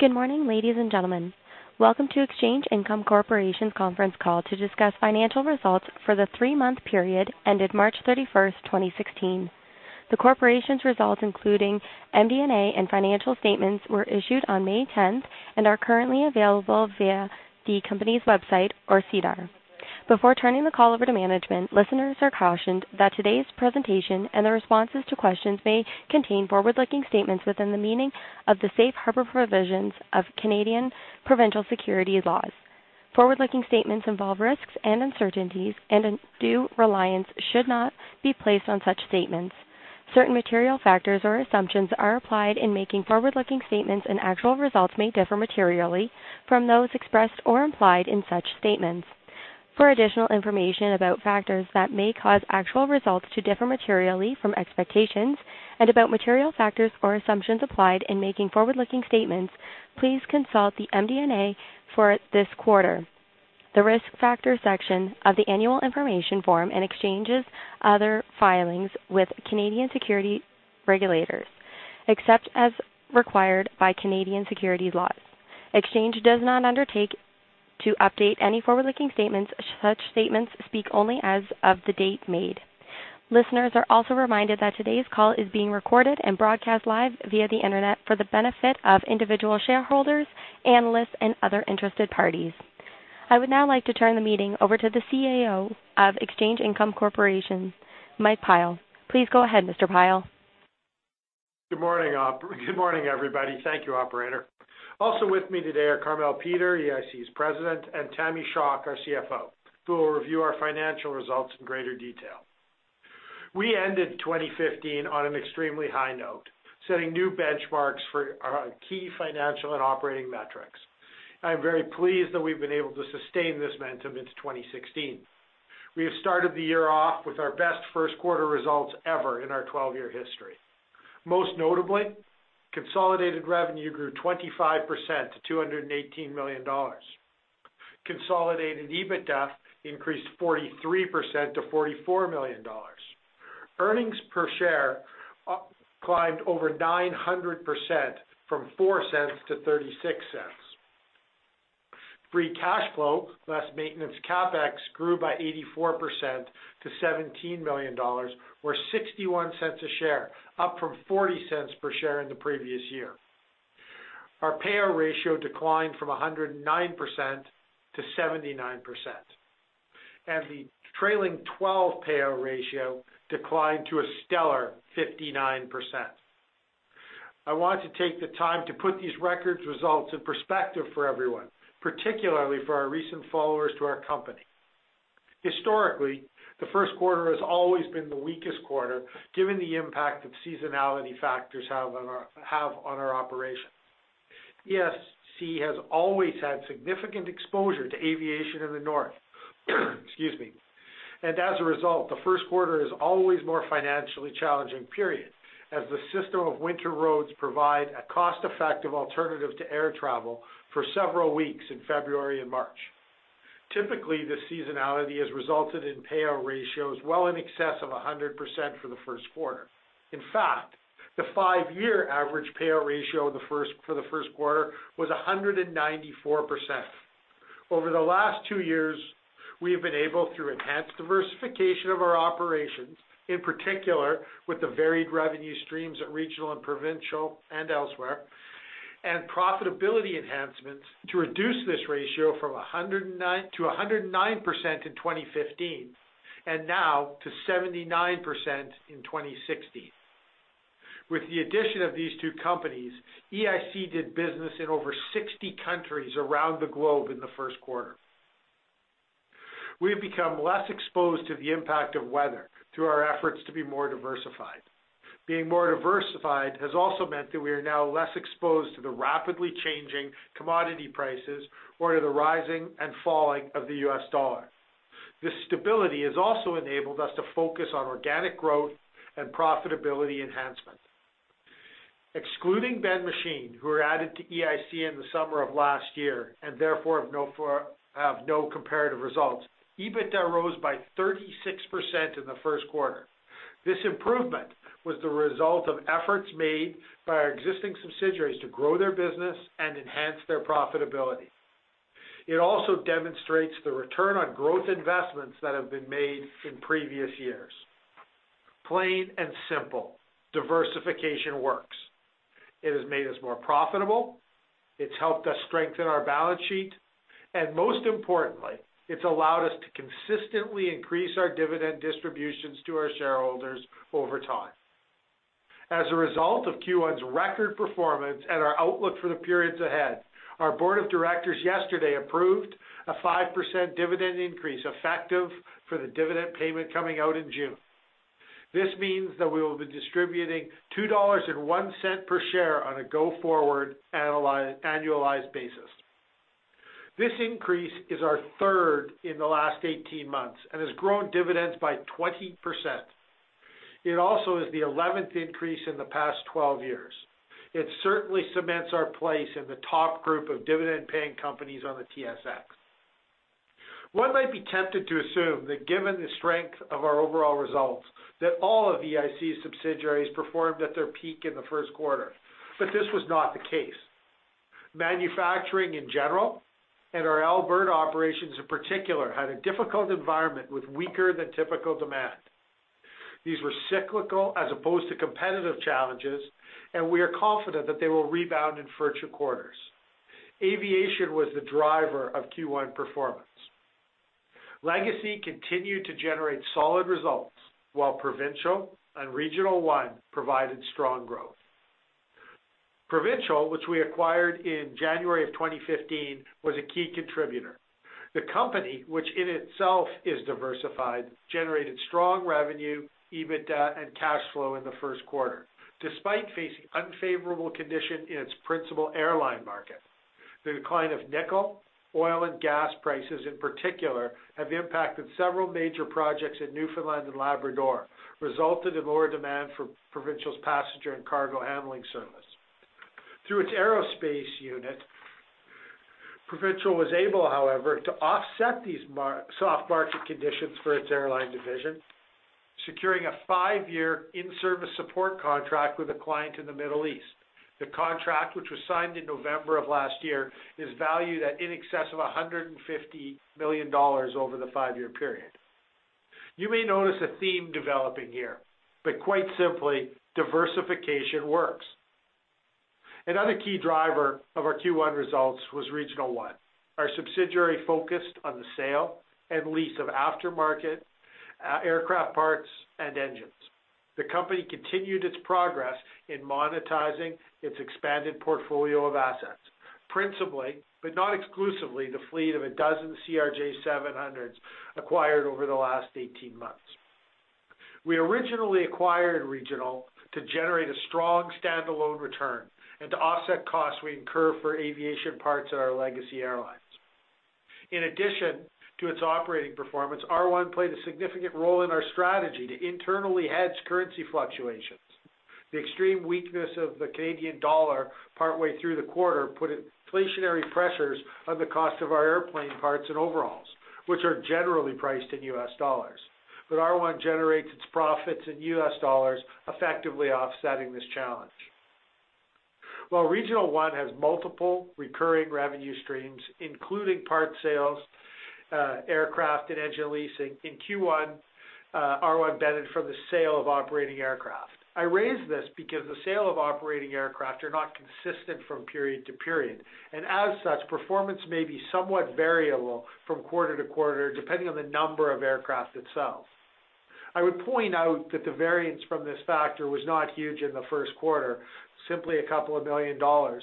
Good morning, ladies and gentlemen. Welcome to Exchange Income Corporation's conference call to discuss financial results for the three-month period ended March 31st, 2016. The corporation's results, including MD&A and financial statements, were issued on May 10th and are currently available via the company's website or SEDAR. Before turning the call over to management, listeners are cautioned that today's presentation and the responses to questions may contain forward-looking statements within the meaning of the safe harbor provisions of Canadian provincial securities laws. Forward-looking statements involve risks and uncertainties, and undue reliance should not be placed on such statements. Certain material factors or assumptions are applied in making forward-looking statements, and actual results may differ materially from those expressed or implied in such statements. For additional information about factors that may cause actual results to differ materially from expectations and about material factors or assumptions applied in making forward-looking statements, please consult the MD&A for this quarter, the Risk Factors section of the annual information form, and Exchange's other filings with Canadian security regulators. Except as required by Canadian securities laws, Exchange does not undertake to update any forward-looking statements. Such statements speak only as of the date made. Listeners are also reminded that today's call is being recorded and broadcast live via the Internet for the benefit of individual shareholders, analysts, and other interested parties. I would now like to turn the meeting over to the CEO of Exchange Income Corporation, Mike Pyle. Please go ahead, Mr. Pyle. Good morning, everybody. Thank you, operator. Also with me today are Carmele Peter, EIC's President, and Tamara Schock, our CFO, who will review our financial results in greater detail. We ended 2015 on an extremely high note, setting new benchmarks for our key financial and operating metrics. I am very pleased that we've been able to sustain this momentum into 2016. We have started the year off with our best first quarter results ever in our 12-year history. Most notably, consolidated revenue grew 25% to 218 million dollars. Consolidated EBITDA increased 43% to 44 million dollars. Earnings per share climbed over 900%, from 0.04 to 0.36. Free cash flow, less maintenance CapEx, grew by 84% to 17 million dollars, or 0.61 a share, up from 0.40 per share in the previous year. Our payout ratio declined from 109% to 79%, and the trailing 12 payout ratio declined to a stellar 59%. I want to take the time to put these record results in perspective for everyone, particularly for our recent followers to our company. Historically, the first quarter has always been the weakest quarter, given the impact that seasonality factors have on our operations. EIC has always had significant exposure to aviation in the north. Excuse me. As a result, the first quarter is always a more financially challenging period, as the system of winter roads provide a cost-effective alternative to air travel for several weeks in February and March. Typically, this seasonality has resulted in payout ratios well in excess of 100% for the first quarter. In fact, the five-year average payout ratio for the first quarter was 194%. Over the last two years, we have been able, through enhanced diversification of our operations, in particular with the varied revenue streams at regional and provincial and elsewhere, and profitability enhancements, to reduce this ratio to 109% in 2015 and now to 79% in 2016. With the addition of these two companies, EIC did business in over 60 countries around the globe in the first quarter. We have become less exposed to the impact of weather through our efforts to be more diversified. Being more diversified has also meant that we are now less exposed to the rapidly changing commodity prices or to the rising and falling of the U.S. dollar. This stability has also enabled us to focus on organic growth and profitability enhancement. Excluding Ben Machine, who were added to EIC in the summer of last year, and therefore have no comparative results, EBITDA rose by 36% in the first quarter. This improvement was the result of efforts made by our existing subsidiaries to grow their business and enhance their profitability. It also demonstrates the return on growth investments that have been made in previous years. Plain and simple, diversification works. It has made us more profitable, it's helped us strengthen our balance sheet, and most importantly, it's allowed us to consistently increase our dividend distributions to our shareholders over time. As a result of Q1's record performance and our outlook for the periods ahead, our board of directors yesterday approved a 5% dividend increase, effective for the dividend payment coming out in June. This means that we will be distributing 2.01 dollars per share on a go-forward annualized basis. This increase is our third in the last 18 months and has grown dividends by 20%. It also is the 11th increase in the past 12 years. It certainly cements our place in the top group of dividend-paying companies on the TSX. One might be tempted to assume that given the strength of our overall results, that all of EIC's subsidiaries performed at their peak in the first quarter, this was not the case. Manufacturing in general, and our Alberta operations in particular, had a difficult environment with weaker than typical demand. These were cyclical as opposed to competitive challenges, we are confident that they will rebound in future quarters. Aviation was the driver of Q1 performance. Legacy continued to generate solid results while Provincial and Regional One provided strong growth. Provincial, which we acquired in January of 2015, was a key contributor. The company, which in itself is diversified, generated strong revenue, EBITDA, and cash flow in the first quarter. Despite facing unfavorable condition in its principal airline market. The decline of nickel, oil, and gas prices in particular have impacted several major projects in Newfoundland and Labrador, resulting in lower demand for Provincial's passenger and cargo handling service. Through its aerospace unit, Provincial was able, however, to offset these soft market conditions for its airline division, securing a five-year in-service support contract with a client in the Middle East. The contract, which was signed in November of last year, is valued at in excess of 150 million dollars over the five-year period. You may notice a theme developing here, quite simply, diversification works. Another key driver of our Q1 results was Regional One, our subsidiary focused on the sale and lease of aftermarket aircraft parts and engines. The company continued its progress in monetizing its expanded portfolio of assets, principally, but not exclusively, the fleet of a dozen CRJ700s acquired over the last 18 months. We originally acquired Regional to generate a strong standalone return and to offset costs we incur for aviation parts at our Legacy Airlines. In addition to its operating performance, R1 played a significant role in our strategy to internally hedge currency fluctuations. The extreme weakness of the Canadian dollar partway through the quarter put inflationary pressures on the cost of our airplane parts and overhauls, which are generally priced in US dollars. R1 generates its profits in US dollars, effectively offsetting this challenge. While Regional One has multiple recurring revenue streams, including parts sales, aircraft and engine leasing, in Q1, R1 benefited from the sale of operating aircraft. I raise this because the sale of operating aircraft are not consistent from period to period, and as such, performance may be somewhat variable from quarter to quarter, depending on the number of aircraft itself. I would point out that the variance from this factor was not huge in the first quarter, simply a couple of million dollars.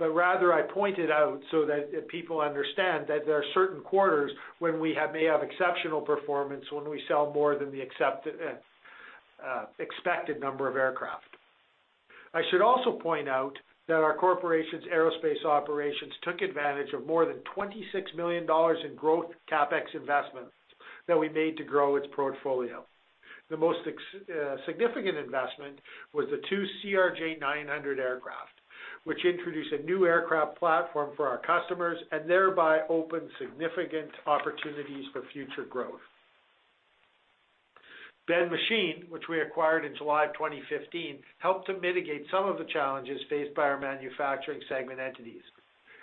Rather, I point it out so that people understand that there are certain quarters when we may have exceptional performance when we sell more than the expected number of aircraft. I should also point out that our corporation's aerospace operations took advantage of more than 26 million dollars in growth CapEx investments that we made to grow its portfolio. The most significant investment was the two CRJ900 aircraft, which introduced a new aircraft platform for our customers and thereby opened significant opportunities for future growth. Ben Machine, which we acquired in July of 2015, helped to mitigate some of the challenges faced by our manufacturing segment entities.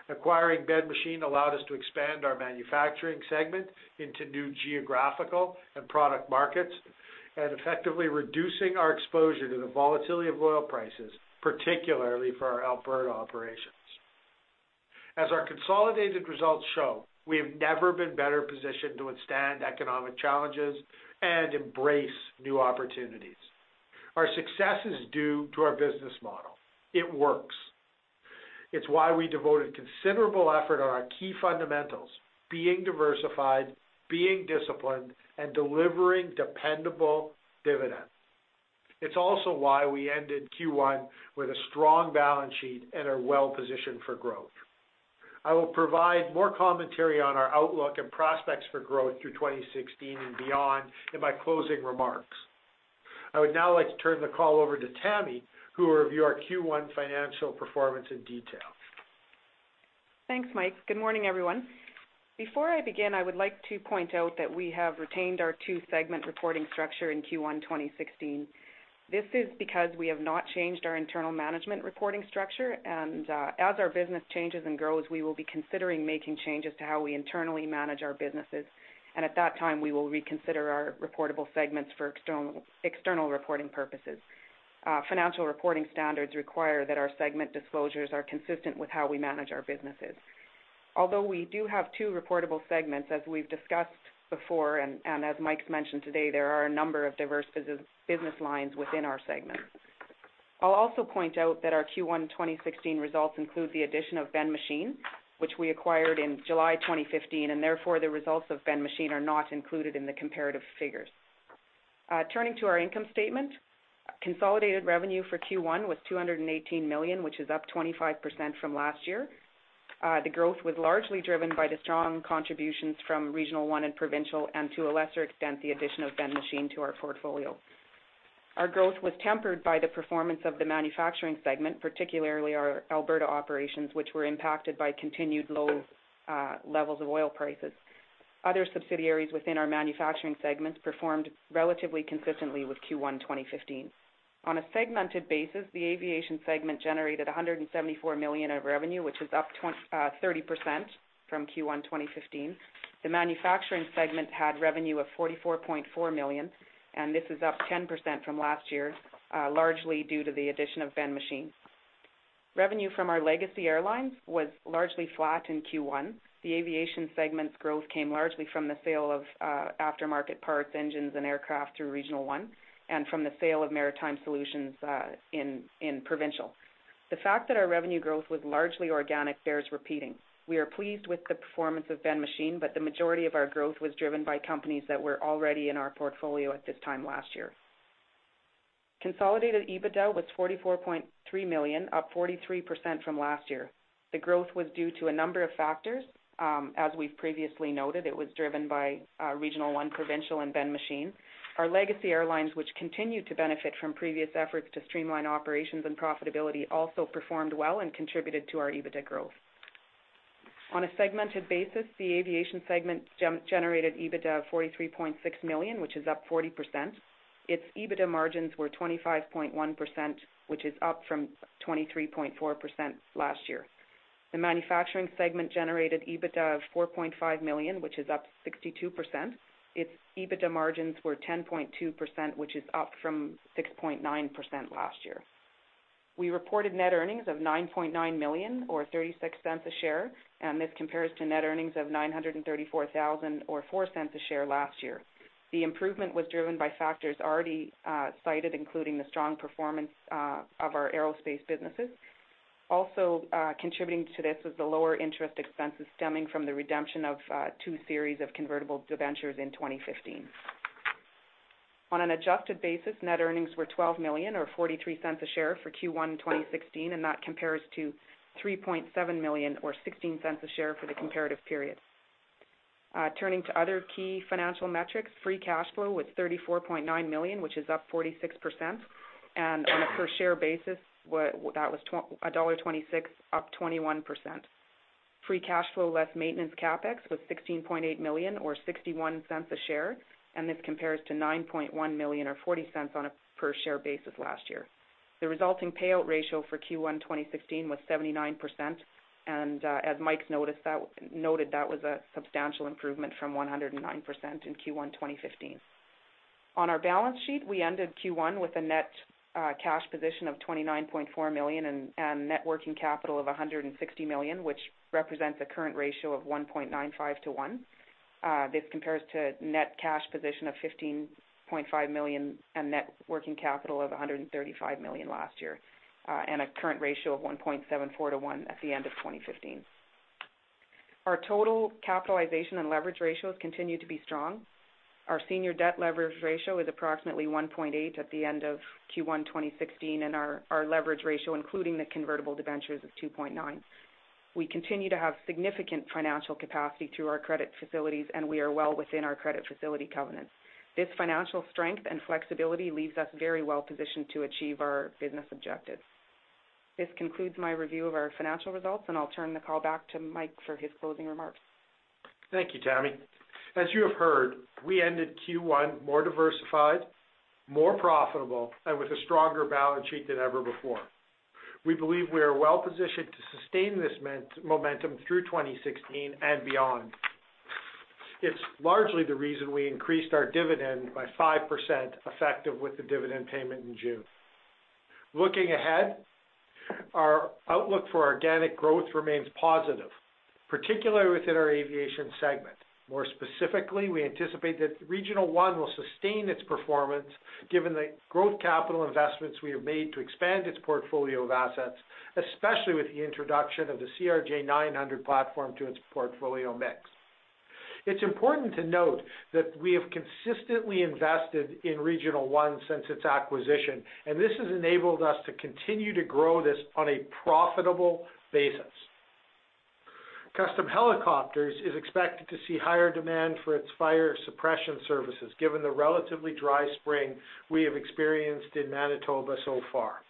Acquiring Ben Machine allowed us to expand our manufacturing segment into new geographical and product markets and effectively reducing our exposure to the volatility of oil prices, particularly for our Alberta operations. As our consolidated results show, we have never been better positioned to withstand economic challenges and embrace new opportunities. Our success is due to our business model. It works. It's why we devoted considerable effort on our key fundamentals, being diversified, being disciplined, and delivering dependable dividends. It's also why we ended Q1 with a strong balance sheet and are well-positioned for growth. I will provide more commentary on our outlook and prospects for growth through 2016 and beyond in my closing remarks. I would now like to turn the call over to Tammy, who will review our Q1 financial performance in detail. Thanks, Mike. Good morning, everyone. Before I begin, I would like to point out that we have retained our two-segment reporting structure in Q1 2016. This is because we have not changed our internal management reporting structure. As our business changes and grows, we will be considering making changes to how we internally manage our businesses. At that time, we will reconsider our reportable segments for external reporting purposes. Financial reporting standards require that our segment disclosures are consistent with how we manage our businesses. Although we do have two reportable segments, as we've discussed before and as Mike's mentioned today, there are a number of diverse business lines within our segments. I'll also point out that our Q1 2016 results include the addition of Ben Machine, which we acquired in July 2015. Therefore, the results of Ben Machine are not included in the comparative figures. Turning to our income statement, consolidated revenue for Q1 was 218 million, which is up 25% from last year. The growth was largely driven by the strong contributions from Regional One and Provincial, and to a lesser extent, the addition of Ben Machine to our portfolio. Our growth was tempered by the performance of the manufacturing segment, particularly our Alberta operations, which were impacted by continued low levels of oil prices. Other subsidiaries within our manufacturing segments performed relatively consistently with Q1 2015. On a segmented basis, the aviation segment generated 174 million of revenue, which is up 30% from Q1 2015. The manufacturing segment had revenue of 44.4 million. This is up 10% from last year, largely due to the addition of Ben Machine. Revenue from our Legacy Airlines was largely flat in Q1. The aviation segment's growth came largely from the sale of aftermarket parts, engines, and aircraft through Regional One and from the sale of Maritime Solutions in Provincial. The fact that our revenue growth was largely organic bears repeating. We are pleased with the performance of Ben Machine, but the majority of our growth was driven by companies that were already in our portfolio at this time last year. Consolidated EBITDA was 44.3 million, up 43% from last year. The growth was due to a number of factors. As we've previously noted, it was driven by Regional One, Provincial, and Ben Machine. Our Legacy Airlines, which continued to benefit from previous efforts to streamline operations and profitability, also performed well and contributed to our EBITDA growth. On a segmented basis, the aviation segment generated EBITDA of 43.6 million, which is up 40%. Its EBITDA margins were 25.1%, which is up from 23.4% last year. The manufacturing segment generated EBITDA of 4.5 million, which is up 62%. Its EBITDA margins were 10.2%, which is up from 6.9% last year. We reported net earnings of 9.9 million, or 0.36 a share. This compares to net earnings of 934,000 or 0.04 a share last year. The improvement was driven by factors already cited, including the strong performance of our aerospace businesses. Also contributing to this was the lower interest expenses stemming from the redemption of two series of convertible debentures in 2015. On an adjusted basis, net earnings were 12 million or 0.43 a share for Q1 2016. That compares to 3.7 million or 0.16 a share for the comparative period. Turning to other key financial metrics, free cash flow was 34.9 million, which is up 46%. On a per share basis, that was dollar 1.26, up 21%. Free cash flow less maintenance CapEx was 16.8 million or 0.61 a share, and this compares to 9.1 million or 0.40 on a per share basis last year. The resulting payout ratio for Q1 2016 was 79%, and as Mike's noted, that was a substantial improvement from 109% in Q1 2015. On our balance sheet, we ended Q1 with a net cash position of 29.4 million and net working capital of 160 million, which represents a current ratio of 1.95:1. This compares to net cash position of 15.5 million and net working capital of 135 million last year, and a current ratio of 1.74:1 at the end of 2015. Our total capitalization and leverage ratios continue to be strong. Our senior debt leverage ratio is approximately 1.8 at the end of Q1 2016, and our leverage ratio, including the convertible debentures, is 2.9. We continue to have significant financial capacity through our credit facilities, and we are well within our credit facility covenants. This financial strength and flexibility leaves us very well positioned to achieve our business objectives. This concludes my review of our financial results, and I'll turn the call back to Mike for his closing remarks. Thank you, Tammy. As you have heard, we ended Q1 more diversified, more profitable, and with a stronger balance sheet than ever before. We believe we are well positioned to sustain this momentum through 2016 and beyond. It's largely the reason we increased our dividend by 5%, effective with the dividend payment in June. Looking ahead, our outlook for organic growth remains positive, particularly within our aviation segment. More specifically, we anticipate that Regional One will sustain its performance given the growth capital investments we have made to expand its portfolio of assets, especially with the introduction of the CRJ-900 platform to its portfolio mix. It's important to note that we have consistently invested in Regional One since its acquisition, and this has enabled us to continue to grow this on a profitable basis. Custom Helicopters is expected to see higher demand for its fire suppression services, given the relatively dry spring we have experienced in Manitoba so far.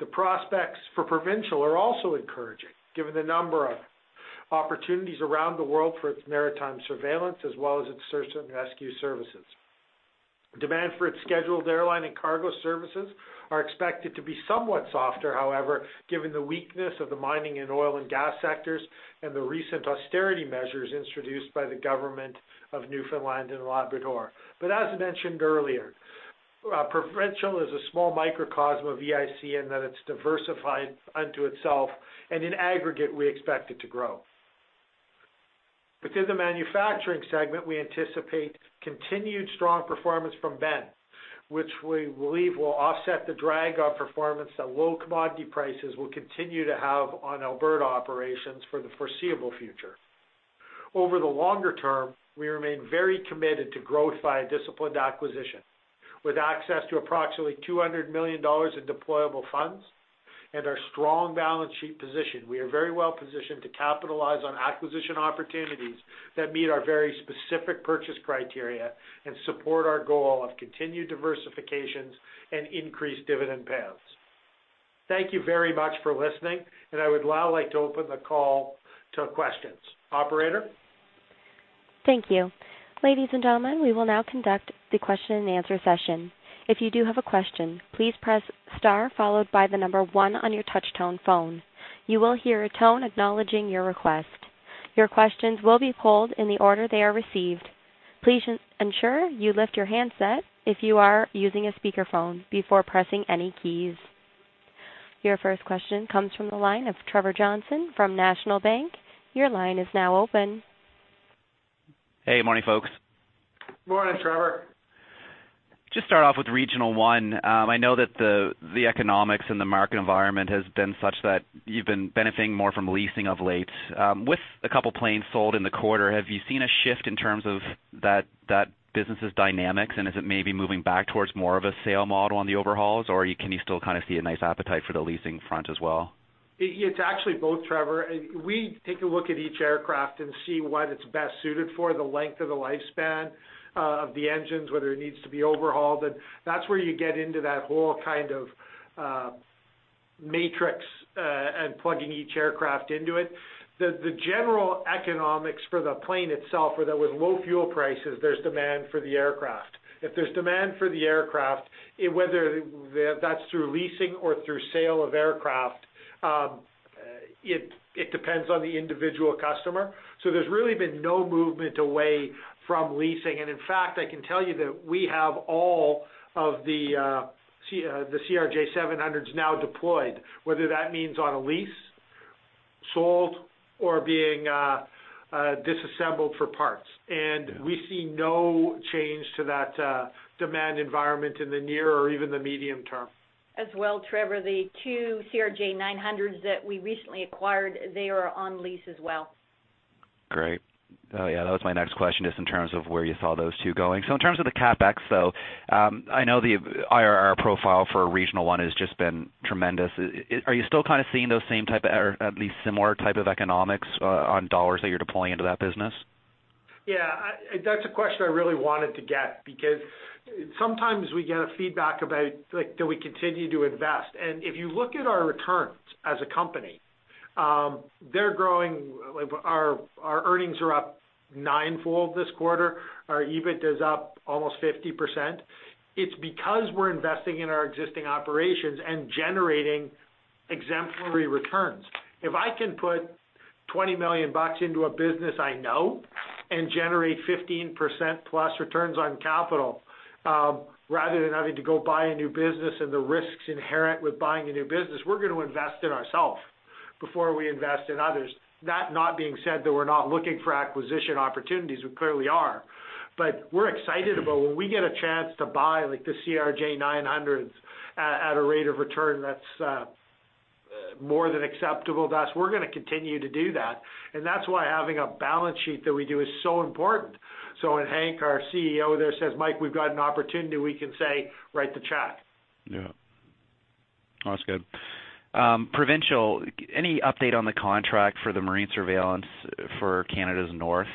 The prospects for Provincial are also encouraging given the number of opportunities around the world for its maritime surveillance as well as its search and rescue services. Demand for its scheduled airline and cargo services are expected to be somewhat softer, however, given the weakness of the mining and oil and gas sectors and the recent austerity measures introduced by the government of Newfoundland and Labrador. As mentioned earlier, Provincial is a small microcosm of EIC in that it's diversified unto itself, and in aggregate, we expect it to grow. Within the manufacturing segment, we anticipate continued strong performance from Ben Machine, which we believe will offset the drag on performance that low commodity prices will continue to have on Alberta operations for the foreseeable future. Over the longer term, we remain very committed to growth via disciplined acquisition. With access to approximately 200 million dollars in deployable funds. Our strong balance sheet position. We are very well positioned to capitalize on acquisition opportunities that meet our very specific purchase criteria and support our goal of continued diversifications and increased dividend payouts. Thank you very much for listening, and I would now like to open the call to questions. Operator? Thank you. Ladies and gentlemen, we will now conduct the question and answer session. If you do have a question, please press star followed by the number 1 on your touch-tone phone. You will hear a tone acknowledging your request. Your questions will be pulled in the order they are received. Please ensure you lift your handset if you are using a speakerphone before pressing any keys. Your first question comes from the line of Trevor Johnson from National Bank. Your line is now open. Hey, good morning, folks. Good morning, Trevor. Just start off with Regional One. I know that the economics and the market environment has been such that you've been benefiting more from leasing of late. With a couple planes sold in the quarter, have you seen a shift in terms of that business's dynamics, and is it maybe moving back towards more of a sale model on the overhauls, or can you still see a nice appetite for the leasing front as well? It's actually both, Trevor. We take a look at each aircraft and see what it's best suited for, the length of the lifespan of the engines, whether it needs to be overhauled. That's where you get into that whole matrix and plugging each aircraft into it. The general economics for the plane itself, where there was low fuel prices, there's demand for the aircraft. If there's demand for the aircraft, whether that's through leasing or through sale of aircraft, it depends on the individual customer. There's really been no movement away from leasing, and in fact, I can tell you that we have all of the CRJ700s now deployed, whether that means on a lease, sold, or being disassembled for parts. We see no change to that demand environment in the near or even the medium term. As well, Trevor, the two CRJ900s that we recently acquired, they are on lease as well. Great. Oh, yeah, that was my next question, just in terms of where you saw those two going. In terms of the CapEx, I know the IRR profile for Regional One has just been tremendous. Are you still seeing those same type of, or at least similar type of economics on dollars that you're deploying into that business? Yeah, that's a question I really wanted to get, because sometimes we get a feedback about do we continue to invest. If you look at our returns as a company, they're growing. Our earnings are up ninefold this quarter. Our EBIT is up almost 50%. It's because we're investing in our existing operations and generating exemplary returns. If I can put 20 million bucks into a business I know and generate 15% plus returns on capital, rather than having to go buy a new business and the risks inherent with buying a new business, we're going to invest in ourself before we invest in others. That not being said that we're not looking for acquisition opportunities, we clearly are. We're excited about when we get a chance to buy, like the CRJ-900s, at a rate of return that's more than acceptable to us, we're going to continue to do that. That's why having a balance sheet that we do is so important. When Hank, our CEO there, says, "Mike, we've got an opportunity," we can say, "Write the check. Yeah. That's good. Provincial, any update on the contract for the marine surveillance for Canada's North?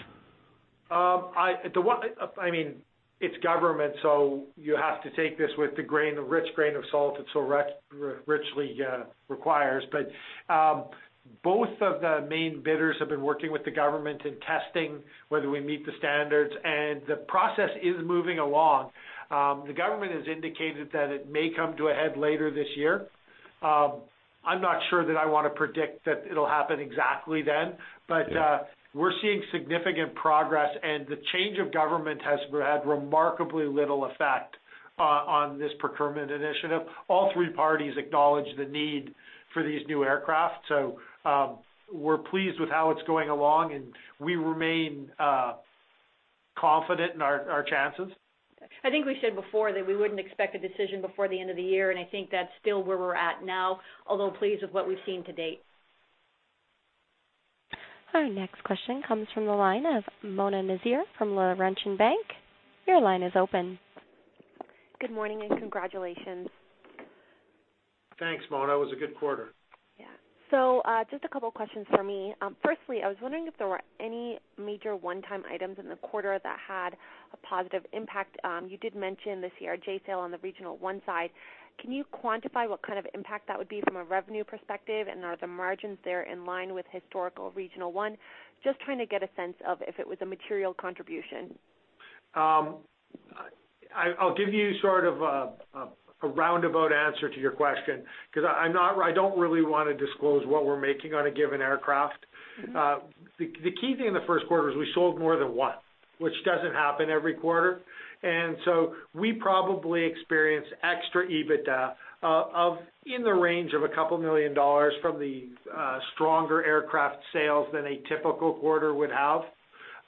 It's government, you have to take this with the rich grain of salt it so richly requires. Both of the main bidders have been working with the government in testing whether we meet the standards, the process is moving along. The government has indicated that it may come to a head later this year. I'm not sure that I want to predict that it'll happen exactly then, we're seeing significant progress, the change of government has had remarkably little effect on this procurement initiative. All three parties acknowledge the need for these new aircraft, we're pleased with how it's going along, and we remain confident in our chances. I think we said before that we wouldn't expect a decision before the end of the year, and I think that's still where we're at now, although pleased with what we've seen to date. Our next question comes from the line of Mona Nazir from Laurentian Bank. Your line is open. Good morning and congratulations. Thanks, Mona. It was a good quarter. Just a couple of questions for me. Firstly, I was wondering if there were any major one-time items in the quarter that had a positive impact. You did mention the CRJ sale on the Regional One side. Can you quantify what kind of impact that would be from a revenue perspective? Are the margins there in line with historical Regional One? Just trying to get a sense of if it was a material contribution. I'll give you a roundabout answer to your question, because I don't really want to disclose what we're making on a given aircraft. The key thing in the first quarter is we sold more than one, which doesn't happen every quarter. We probably experienced extra EBITDA in the range of 2 million dollars from the stronger aircraft sales than a typical quarter would have.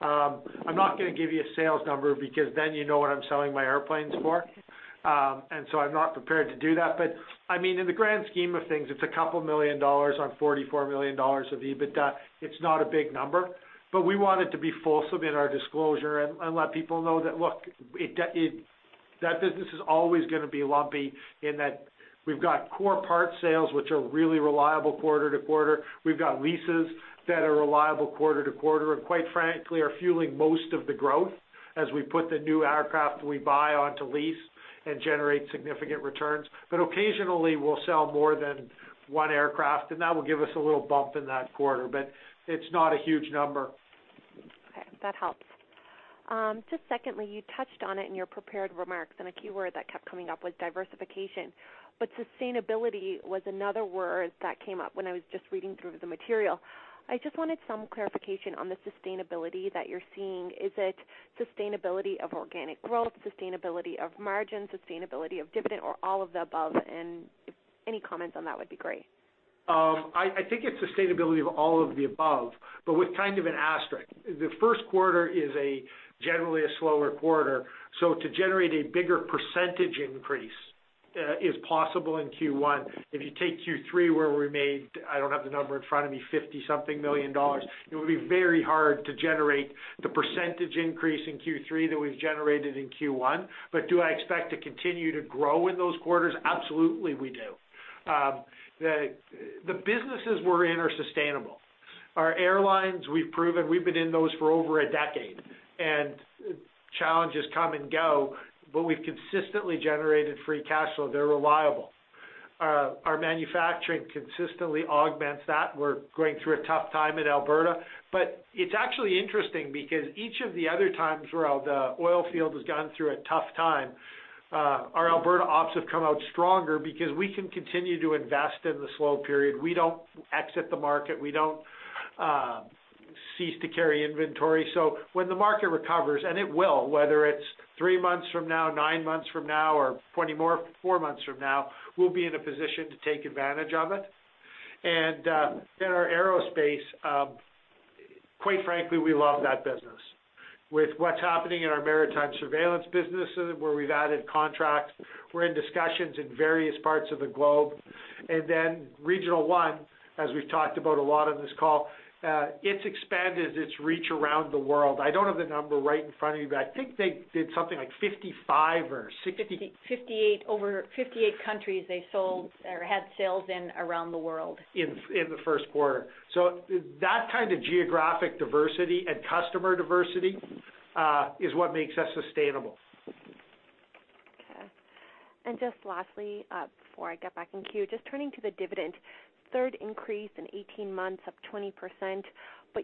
I'm not going to give you a sales number because then you know what I'm selling my airplanes for. I'm not prepared to do that. In the grand scheme of things, it's 2 million dollars on 44 million dollars of EBITDA. It's not a big number, but we want it to be full so in our disclosure and let people know that, look, that business is always going to be lumpy in that we've got core part sales, which are really reliable quarter to quarter. We've got leases that are reliable quarter to quarter, and quite frankly, are fueling most of the growth as we put the new aircraft we buy onto lease and generate significant returns. Occasionally we'll sell more than one aircraft, and that will give us a little bump in that quarter. It's not a huge number. Okay, that helps. Just secondly, you touched on it in your prepared remarks, a keyword that kept coming up was diversification. Sustainability was another word that came up when I was just reading through the material. I just wanted some clarification on the sustainability that you're seeing. Is it sustainability of organic growth, sustainability of margin, sustainability of dividend, or all of the above? Any comments on that would be great. I think it's sustainability of all of the above, but with kind of an asterisk. The first quarter is generally a slower quarter. To generate a bigger percentage increase is possible in Q1. If you take Q3 where we made, I don't have the number in front of me, 50 something million, it would be very hard to generate the percentage increase in Q3 that we've generated in Q1. Do I expect to continue to grow in those quarters? Absolutely, we do. The businesses we're in are sustainable. Our airlines, we've proven we've been in those for over a decade. Challenges come and go, but we've consistently generated free cash flow. They're reliable. Our manufacturing consistently augments that. We're going through a tough time in Alberta. It's actually interesting because each of the other times where the oil field has gone through a tough time, our Alberta ops have come out stronger because we can continue to invest in the slow period. We don't exit the market. We don't cease to carry inventory. When the market recovers, and it will, whether it's 3 months from now, 9 months from now, or 24 months from now, we'll be in a position to take advantage of it. Our aerospace, quite frankly, we love that business. With what's happening in our maritime surveillance business, where we've added contracts, we're in discussions in various parts of the globe. Regional One, as we've talked about a lot on this call, it's expanded its reach around the world. I don't have the number right in front of me. I think they did something like 55 or 60- Over 58 countries they had sales in around the world in the first quarter. That kind of geographic diversity and customer diversity is what makes us sustainable. Okay. Just lastly, before I get back in queue, just turning to the dividend. Third increase in 18 months, up 20%,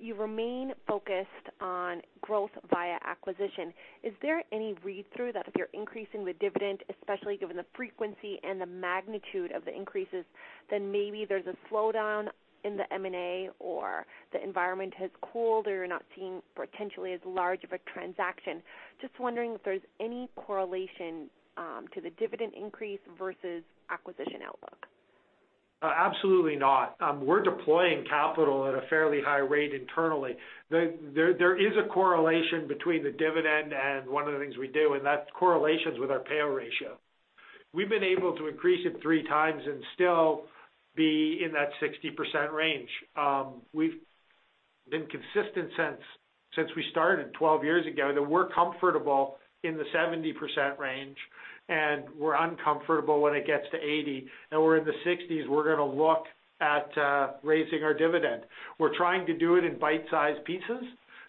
you remain focused on growth via acquisition. Is there any read-through that if you're increasing the dividend, especially given the frequency and the magnitude of the increases, maybe there's a slowdown in the M&A or the environment has cooled, or you're not seeing potentially as large of a transaction? Just wondering if there's any correlation to the dividend increase versus acquisition outlook. Absolutely not. We're deploying capital at a fairly high rate internally. There is a correlation between the dividend and one of the things we do, and that correlation's with our payout ratio. We've been able to increase it three times and still be in that 60% range. We've been consistent since we started 12 years ago, that we're comfortable in the 70% range, and we're uncomfortable when it gets to 80. We're in the 60s, we're going to look at raising our dividend. We're trying to do it in bite-size pieces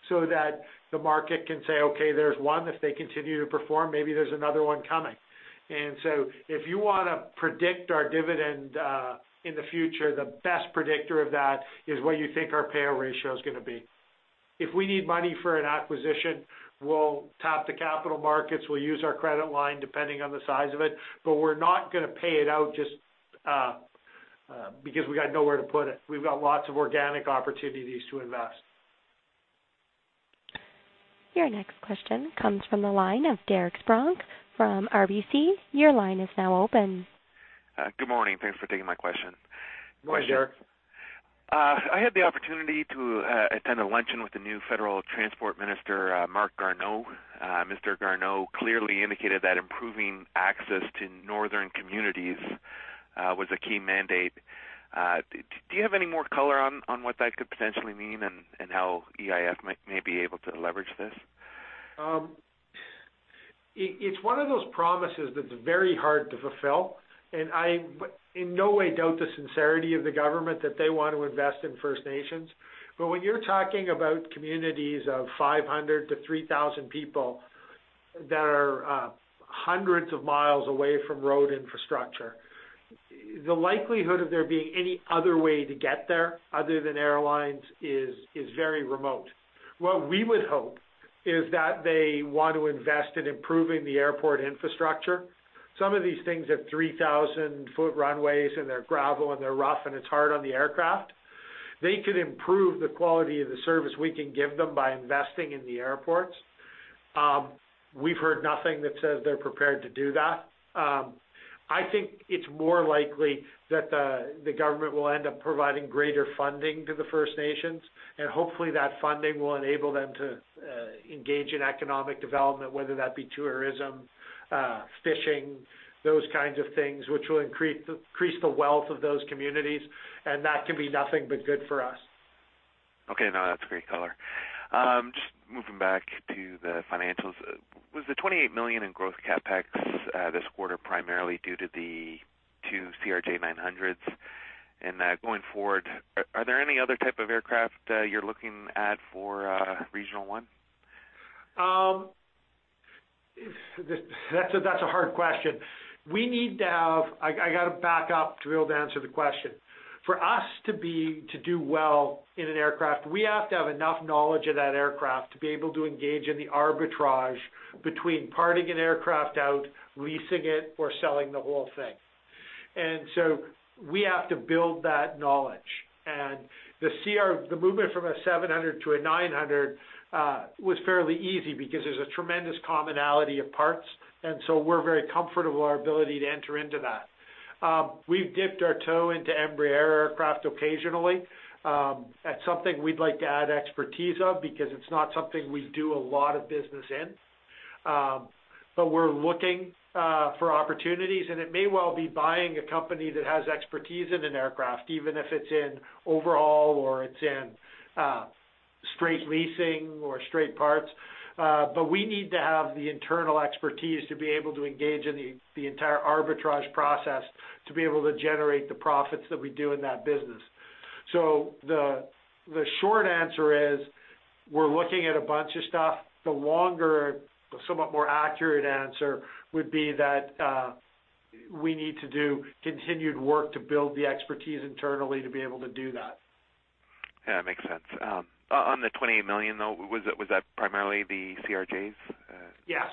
so that the market can say, "Okay, there's one. If they continue to perform, maybe there's another one coming." If you want to predict our dividend in the future, the best predictor of that is what you think our payout ratio is going to be. If we need money for an acquisition, we'll tap the capital markets, we'll use our credit line depending on the size of it, we're not going to pay it out just because we got nowhere to put it. We've got lots of organic opportunities to invest. Your next question comes from the line of Derek Spronck from RBC. Your line is now open. Good morning. Thanks for taking my question. Good morning, Derek. I had the opportunity to attend a luncheon with the new Federal Transport Minister, Marc Garneau. Mr. Garneau clearly indicated that improving access to northern communities was a key mandate. Do you have any more color on what that could potentially mean and how EIF may be able to leverage this? It's one of those promises that's very hard to fulfill, and I, in no way doubt the sincerity of the government that they want to invest in First Nations. When you're talking about communities of 500 to 3,000 people that are hundreds of miles away from road infrastructure, the likelihood of there being any other way to get there other than airlines is very remote. What we would hope is that they want to invest in improving the airport infrastructure. Some of these things have 3,000-foot runways, and they're gravel, and they're rough, and it's hard on the aircraft. They could improve the quality of the service we can give them by investing in the airports. We've heard nothing that says they're prepared to do that. I think it's more likely that the government will end up providing greater funding to the First Nations, and hopefully that funding will enable them to engage in economic development, whether that be tourism, fishing, those kinds of things, which will increase the wealth of those communities, and that can be nothing but good for us. Okay. No, that's great color. Just moving back to the financials. Was the 28 million in growth CapEx this quarter primarily due to the two CRJ900s? Going forward, are there any other type of aircraft you're looking at for Regional One? That's a hard question. I got to back up to be able to answer the question. For us to do well in an aircraft, we have to have enough knowledge of that aircraft to be able to engage in the arbitrage between parting an aircraft out, leasing it, or selling the whole thing. So we have to build that knowledge. The movement from a 700 to a 900 was fairly easy because there's a tremendous commonality of parts, and so we're very comfortable with our ability to enter into that. We've dipped our toe into Embraer aircraft occasionally. That's something we'd like to add expertise of because it's not something we do a lot of business in. We're looking for opportunities, it may well be buying a company that has expertise in an aircraft, even if it's in overhaul or it's in straight leasing or straight parts. We need to have the internal expertise to be able to engage in the entire arbitrage process to be able to generate the profits that we do in that business. The short answer is, we're looking at a bunch of stuff. The longer, somewhat more accurate answer would be that we need to do continued work to build the expertise internally to be able to do that. Yeah, makes sense. On the 28 million, though, was that primarily the CRJs? Yes.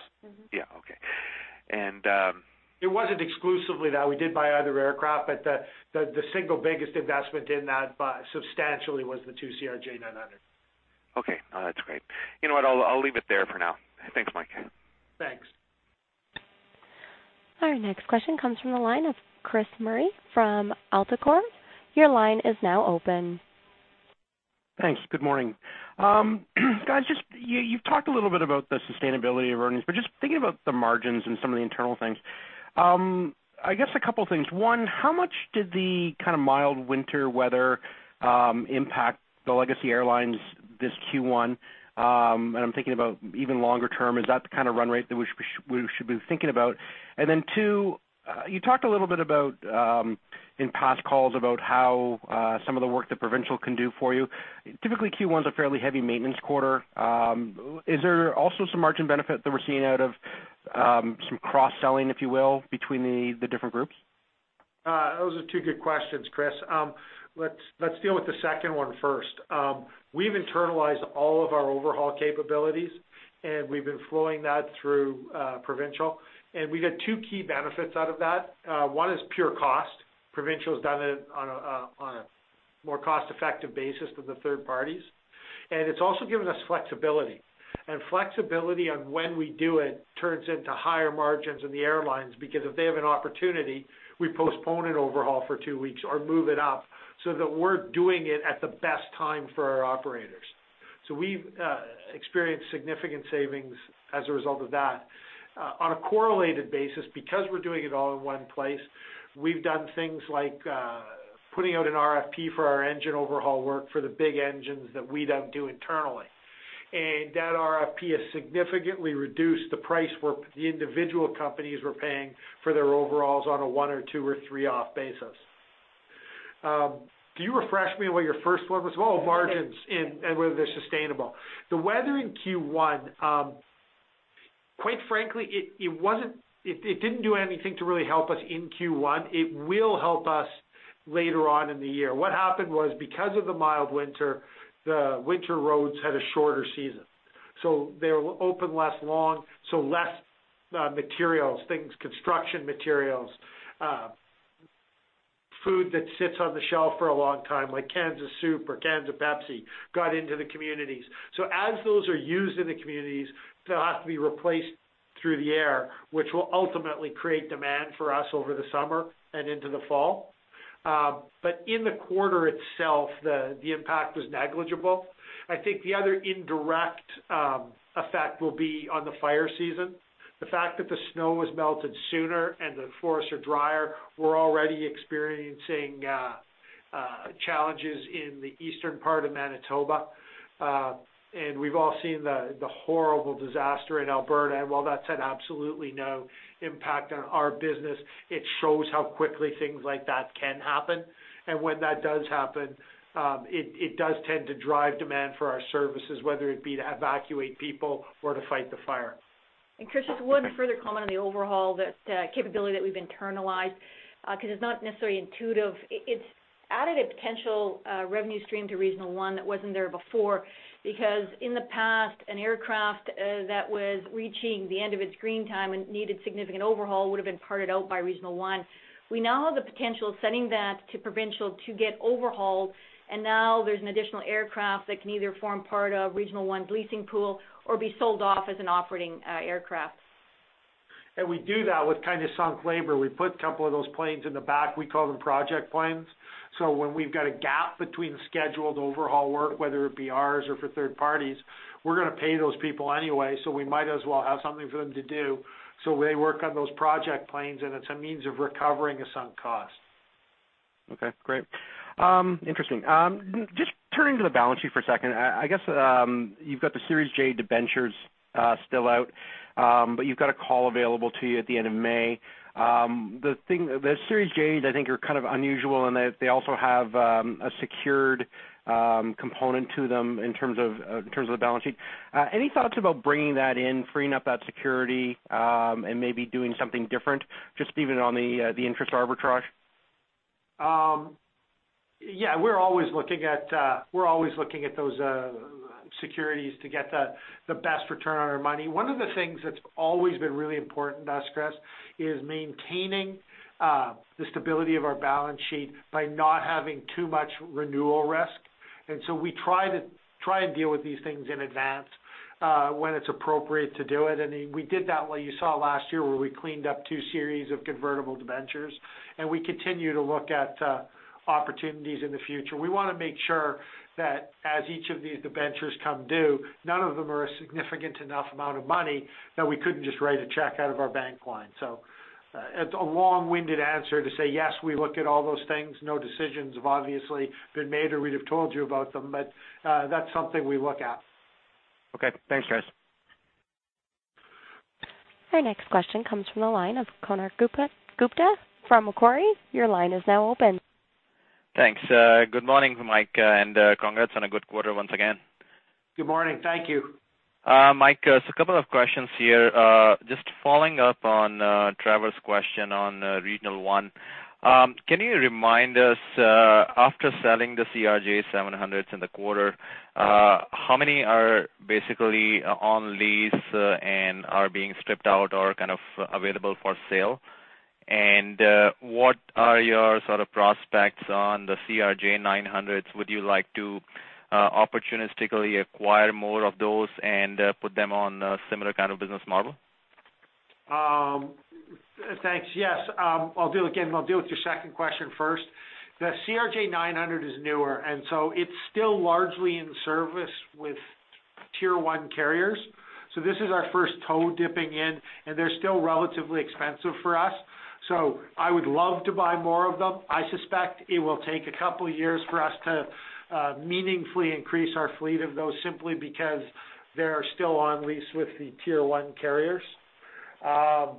Yeah. Okay. It wasn't exclusively that. We did buy other aircraft, the single biggest investment in that, substantially, was the two CRJ900. Okay. No, that's great. You know what? I'll leave it there for now. Thanks, Mike. Thanks. Our next question comes from the line of Chris Murray from AltaCorp. Your line is now open. Thanks. Good morning. Guys, you've talked a little bit about the sustainability of earnings, but just thinking about the margins and some of the internal things. I guess a couple of things. One, how much did the kind of mild winter weather impact the Legacy Airlines this Q1? Then two, you talked a little bit about, in past calls, about how some of the work that Provincial can do for you. Typically, Q1's a fairly heavy maintenance quarter. Is there also some margin benefit that we're seeing out of some cross-selling, if you will, between the different groups? Those are two good questions, Chris. Let's deal with the second one first. We've internalized all of our overhaul capabilities, and we've been flowing that through Provincial, and we get two key benefits out of that. One is pure cost. Provincial has done it on a more cost-effective basis than the third parties. Flexibility on when we do it turns into higher margins in the airlines, because if they have an opportunity, we postpone an overhaul for two weeks or move it up so that we're doing it at the best time for our operators. We've experienced significant savings as a result of that. On a correlated basis, because we're doing it all in one place, we've done things like putting out an RFP for our engine overhaul work for the big engines that we don't do internally. That RFP has significantly reduced the price the individual companies were paying for their overhauls on a one or two or three-off basis. Can you refresh me on what your first one was? Margins, and whether they're sustainable. The weather in Q1, quite frankly, it didn't do anything to really help us in Q1. It will help us later on in the year. What happened was, because of the mild winter, the winter roads had a shorter season. They were open less long, less materials, things, construction materials, food that sits on the shelf for a long time, like cans of soup or cans of Pepsi, got into the communities. As those are used in the communities, they'll have to be replaced through the air, which will ultimately create demand for us over the summer and into the fall. In the quarter itself, the impact was negligible. I think the other indirect effect will be on the fire season. The fact that the snow has melted sooner and the forests are drier, we're already experiencing challenges in the eastern part of Manitoba. We've all seen the horrible disaster in Alberta, while that's had absolutely no impact on our business, it shows how quickly things like that can happen. When that does happen, it does tend to drive demand for our services, whether it be to evacuate people or to fight the fire. Chris, just one further comment on the overhaul, this capability that we've internalized, because it's not necessarily intuitive. It's added a potential revenue stream to Regional One that wasn't there before because in the past, an aircraft that was reaching the end of its green time and needed significant overhaul would've been parted out by Regional One. We now have the potential of sending that to Provincial to get overhauled, and now there's an additional aircraft that can either form part of Regional One's leasing pool or be sold off as an operating aircraft. We do that with kind of sunk labor. We put a couple of those planes in the back. We call them project planes. When we've got a gap between scheduled overhaul work, whether it be ours or for third parties, we're going to pay those people anyway, we might as well have something for them to do. They work on those project planes, and it's a means of recovering a sunk cost. Okay, great. Interesting. Just turning to the balance sheet for a second. I guess you've got the Series J debentures still out, but you've got a call available to you at the end of May. The Series Js, I think, are kind of unusual in that they also have a secured component to them in terms of the balance sheet. Any thoughts about bringing that in, freeing up that security, and maybe doing something different, just even on the interest arbitrage? Yeah. We're always looking at those securities to get the best return on our money. One of the things that's always been really important to us, Chris, is maintaining the stability of our balance sheet by not having too much renewal risk. We try and deal with these things in advance, when it's appropriate to do it. We did that, what you saw last year, where we cleaned up two series of convertible debentures, and we continue to look at opportunities in the future. We want to make sure that as each of these debentures come due, none of them are a significant enough amount of money that we couldn't just write a check out of our bank line. It's a long-winded answer to say, yes, we look at all those things. No decisions have obviously been made, or we'd have told you about them. That's something we look at. Okay. Thanks, guys. Our next question comes from the line of Konark Gupta from Macquarie. Your line is now open. Thanks. Good morning, Mike, congrats on a good quarter once again. Good morning. Thank you. Mike, a couple of questions here. Just following up on Trevor's question on Regional One. Can you remind us, after selling the CRJ-700s in the quarter, how many are basically on lease and are being stripped out or are available for sale? What are your sort of prospects on the CRJ-900s? Would you like to opportunistically acquire more of those and put them on a similar kind of business model? Thanks. Yes. I'll deal with your second question first. The CRJ900 is newer. It's still largely in service with Tier 1 carriers. This is our first toe-dipping in, and they're still relatively expensive for us. I would love to buy more of them. I suspect it will take a couple of years for us to meaningfully increase our fleet of those, simply because they are still on lease with the Tier 1 carriers. The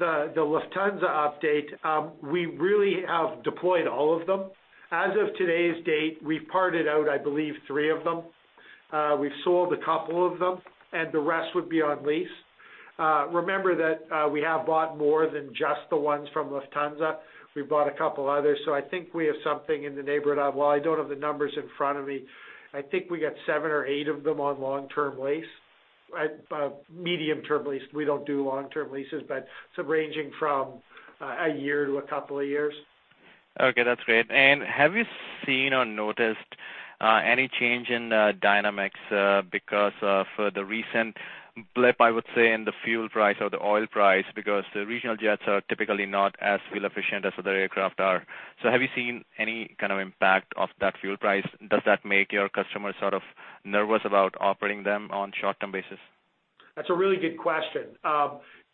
Lufthansa update, we really have deployed all of them. As of today's date, we've parted out, I believe, three of them. We've sold a couple of them, and the rest would be on lease. Remember that we have bought more than just the ones from Lufthansa. We've bought a couple others. I think we have something in the neighborhood of, while I don't have the numbers in front of me, I think we got seven or eight of them on long-term lease. Medium-term lease. We don't do long-term leases, but ranging from a year to a couple of years. Okay, that's great. Have you seen or noticed any change in dynamics because of the recent blip, I would say, in the fuel price or the oil price? The regional jets are typically not as fuel efficient as other aircraft are. Have you seen any kind of impact of that fuel price? Does that make your customers sort of nervous about operating them on a short-term basis? That's a really good question.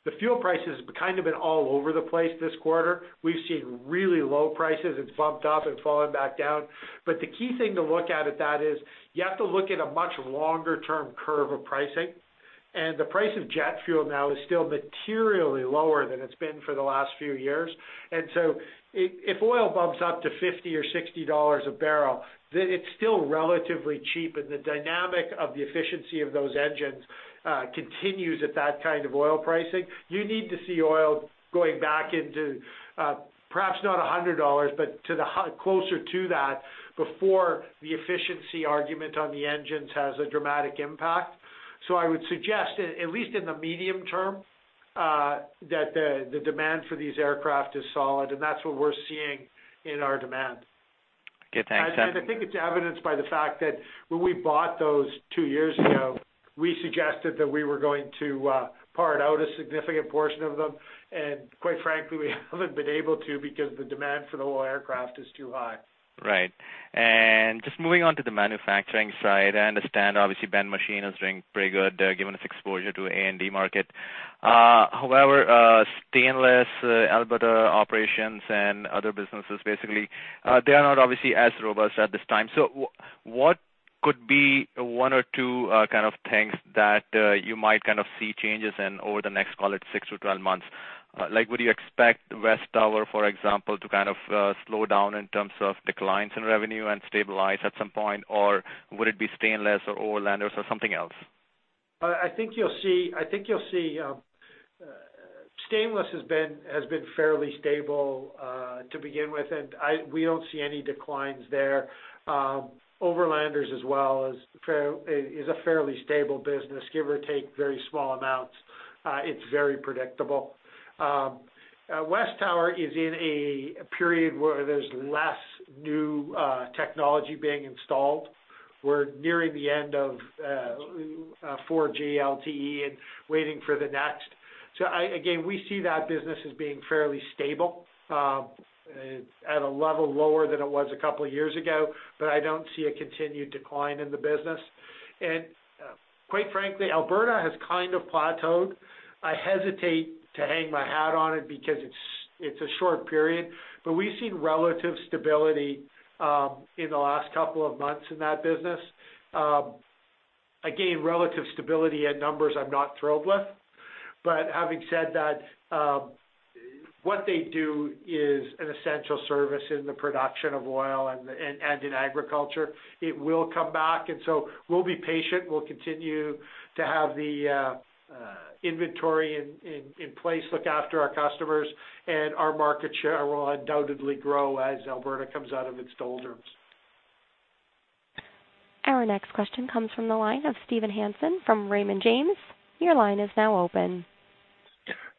The fuel price has kind of been all over the place this quarter. We've seen really low prices. It's bumped up and fallen back down. The key thing to look at that is you have to look at a much longer-term curve of pricing. The price of jet fuel now is still materially lower than it's been for the last few years. If oil bumps up to $50 or $60 a barrel, it's still relatively cheap, and the dynamic of the efficiency of those engines continues at that kind of oil pricing. You need to see oil going back into, perhaps not $100, but closer to that before the efficiency argument on the engines has a dramatic impact. I would suggest, at least in the medium term, that the demand for these aircraft is solid, and that's what we're seeing in our demand. Okay, thanks. I think it's evidenced by the fact that when we bought those two years ago, we suggested that we were going to part out a significant portion of them, and quite frankly, we haven't been able to because the demand for the whole aircraft is too high. Right. Just moving on to the manufacturing side, I understand, obviously, Ben Machine is doing pretty good, giving us exposure to A&D market. However, stainless Alberta operations and other businesses, basically, they are not obviously as robust at this time. What could be one or two things that you might see changes in over the next, call it, six to 12 months? Would you expect WesTower, for example, to slow down in terms of declines in revenue and stabilize at some point? Would it be stainless or Overlanders or something else? I think you'll see Stainless has been fairly stable to begin with, and we don't see any declines there. Overlanders as well is a fairly stable business, give or take very small amounts. It's very predictable. WesTower is in a period where there's less new technology being installed. We're nearing the end of 4G LTE and waiting for the next. Again, we see that business as being fairly stable. It's at a level lower than it was a couple of years ago, but I don't see a continued decline in the business. Quite frankly, Alberta has kind of plateaued. I hesitate to hang my hat on it because it's a short period, but we've seen relative stability in the last couple of months in that business. Again, relative stability at numbers I'm not thrilled with. Having said that, what they do is an essential service in the production of oil and in agriculture. It will come back, we'll be patient. We'll continue to have the inventory in place, look after our customers, and our market share will undoubtedly grow as Alberta comes out of its doldrums. Our next question comes from the line of Steve Hansen from Raymond James. Your line is now open.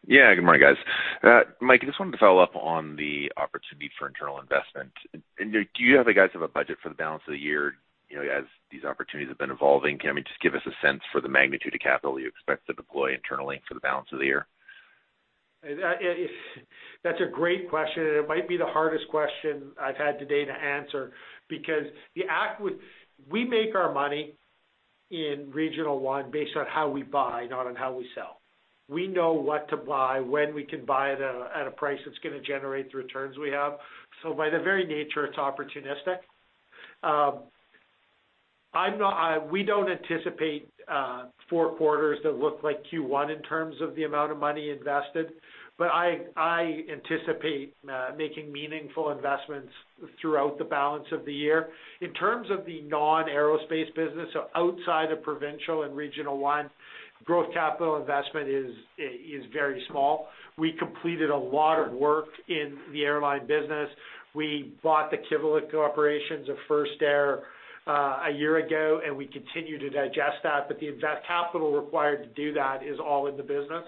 Yeah. Good morning, guys. Mike, I just wanted to follow up on the opportunity for internal investment. Do you guys have a budget for the balance of the year as these opportunities have been evolving? Can you just give us a sense for the magnitude of capital you expect to deploy internally for the balance of the year? That's a great question. It might be the hardest question I've had today to answer. We make our money in Regional One based on how we buy, not on how we sell. We know what to buy, when we can buy it at a price that's going to generate the returns we have. By the very nature, it's opportunistic. We don't anticipate 4 quarters that look like Q1 in terms of the amount of money invested, but I anticipate making meaningful investments throughout the balance of the year. In terms of the non-aerospace business, outside of Provincial and Regional One, growth capital investment is very small. We completed a lot of work in the airline business. We bought the Kivalliq Corporations of First Air a year ago, and we continue to digest that. The invest capital required to do that is all in the business.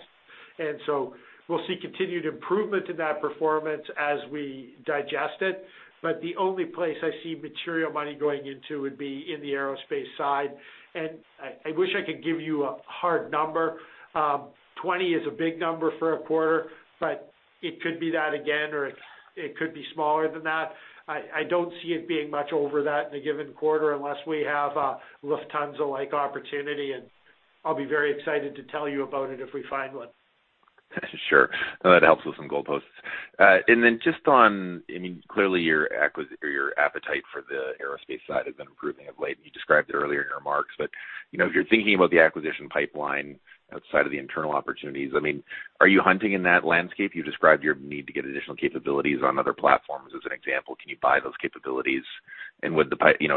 We'll see continued improvement in that performance as we digest it. The only place I see material money going into would be in the aerospace side. I wish I could give you a hard number. 20 is a big number for a quarter, but it could be that again, or it could be smaller than that. I don't see it being much over that in a given quarter unless we have a Lufthansa-like opportunity, I'll be very excited to tell you about it if we find one. Sure. That helps with some goalposts. Just on, clearly your appetite for the aerospace side has been improving of late. You described it earlier in your remarks. If you're thinking about the acquisition pipeline outside of the internal opportunities, are you hunting in that landscape? You described your need to get additional capabilities on other platforms. As an example, can you buy those capabilities?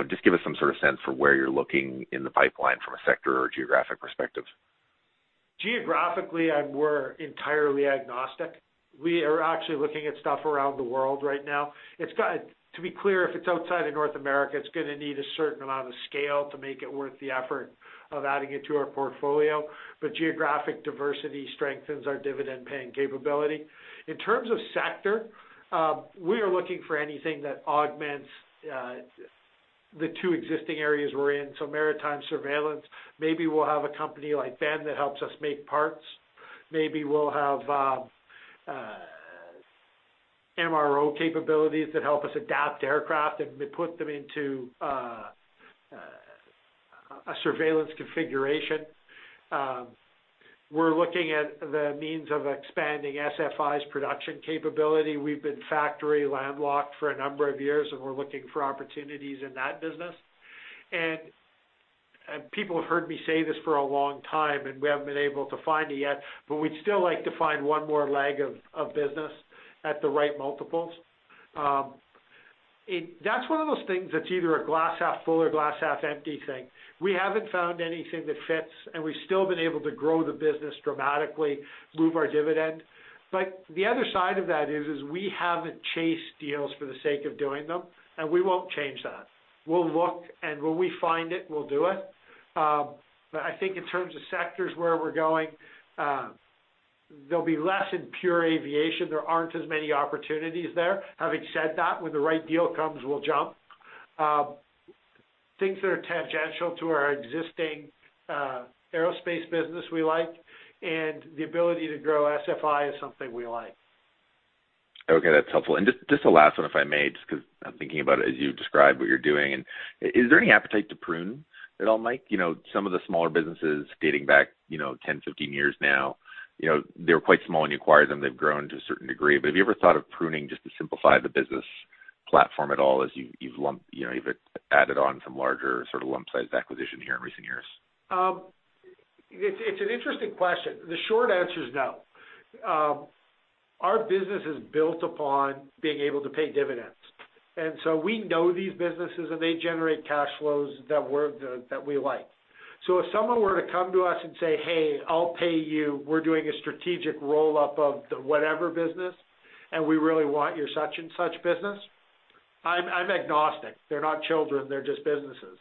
Just give us some sort of sense for where you're looking in the pipeline from a sector or geographic perspective. Geographically, we're entirely agnostic. We are actually looking at stuff around the world right now. To be clear, if it's outside of North America, it's going to need a certain amount of scale to make it worth the effort of adding it to our portfolio. Geographic diversity strengthens our dividend-paying capability. In terms of sector, we are looking for anything that augments the two existing areas we're in. So maritime surveillance, maybe we'll have a company like them that helps us make parts. Maybe we'll have MRO capabilities that help us adapt aircraft and put them into a surveillance configuration. We're looking at the means of expanding SFI's production capability. We've been factory landlocked for a number of years. We're looking for opportunities in that business. People have heard me say this for a long time, we haven't been able to find it yet, we'd still like to find one more leg of business at the right multiples. That's one of those things that's either a glass half full or glass half empty thing. We haven't found anything that fits, we've still been able to grow the business dramatically, move our dividend. The other side of that is, we haven't chased deals for the sake of doing them, we won't change that. We'll look, when we find it, we'll do it. I think in terms of sectors where we're going, there'll be less in pure aviation. There aren't as many opportunities there. Having said that, when the right deal comes, we'll jump. Things that are tangential to our existing aerospace business we like, the ability to grow SFI is something we like. Okay, that's helpful. Just the last one, if I may, just because I'm thinking about it as you describe what you're doing. Is there any appetite to prune at all, Mike? Some of the smaller businesses dating back 10, 15 years now, they were quite small when you acquired them. They've grown to a certain degree. Have you ever thought of pruning just to simplify the business platform at all as you've added on some larger sort of lump size acquisition here in recent years? It's an interesting question. The short answer is no. Our business is built upon being able to pay dividends. We know these businesses, they generate cash flows that we like. If someone were to come to us and say, "Hey, I'll pay you. We're doing a strategic roll-up of the whatever business, we really want your such and such business," I'm agnostic. They're not children. They're just businesses.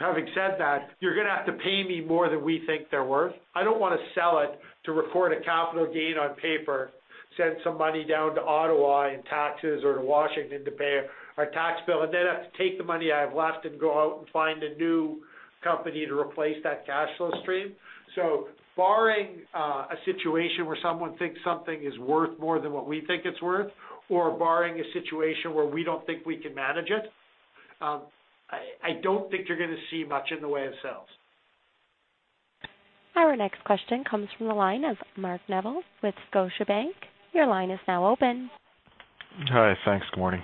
Having said that, you're going to have to pay me more than we think they're worth. I don't want to sell it to record a capital gain on paper, send some money down to Ottawa in taxes or to Washington to pay our tax bill, then have to take the money I have left and go out and find a new company to replace that cash flow stream. Barring a situation where someone thinks something is worth more than what we think it's worth, or barring a situation where we don't think we can manage it, I don't think you're going to see much in the way of sales. Our next question comes from the line of Mark Neville with Scotiabank. Your line is now open. Hi. Thanks. Good morning.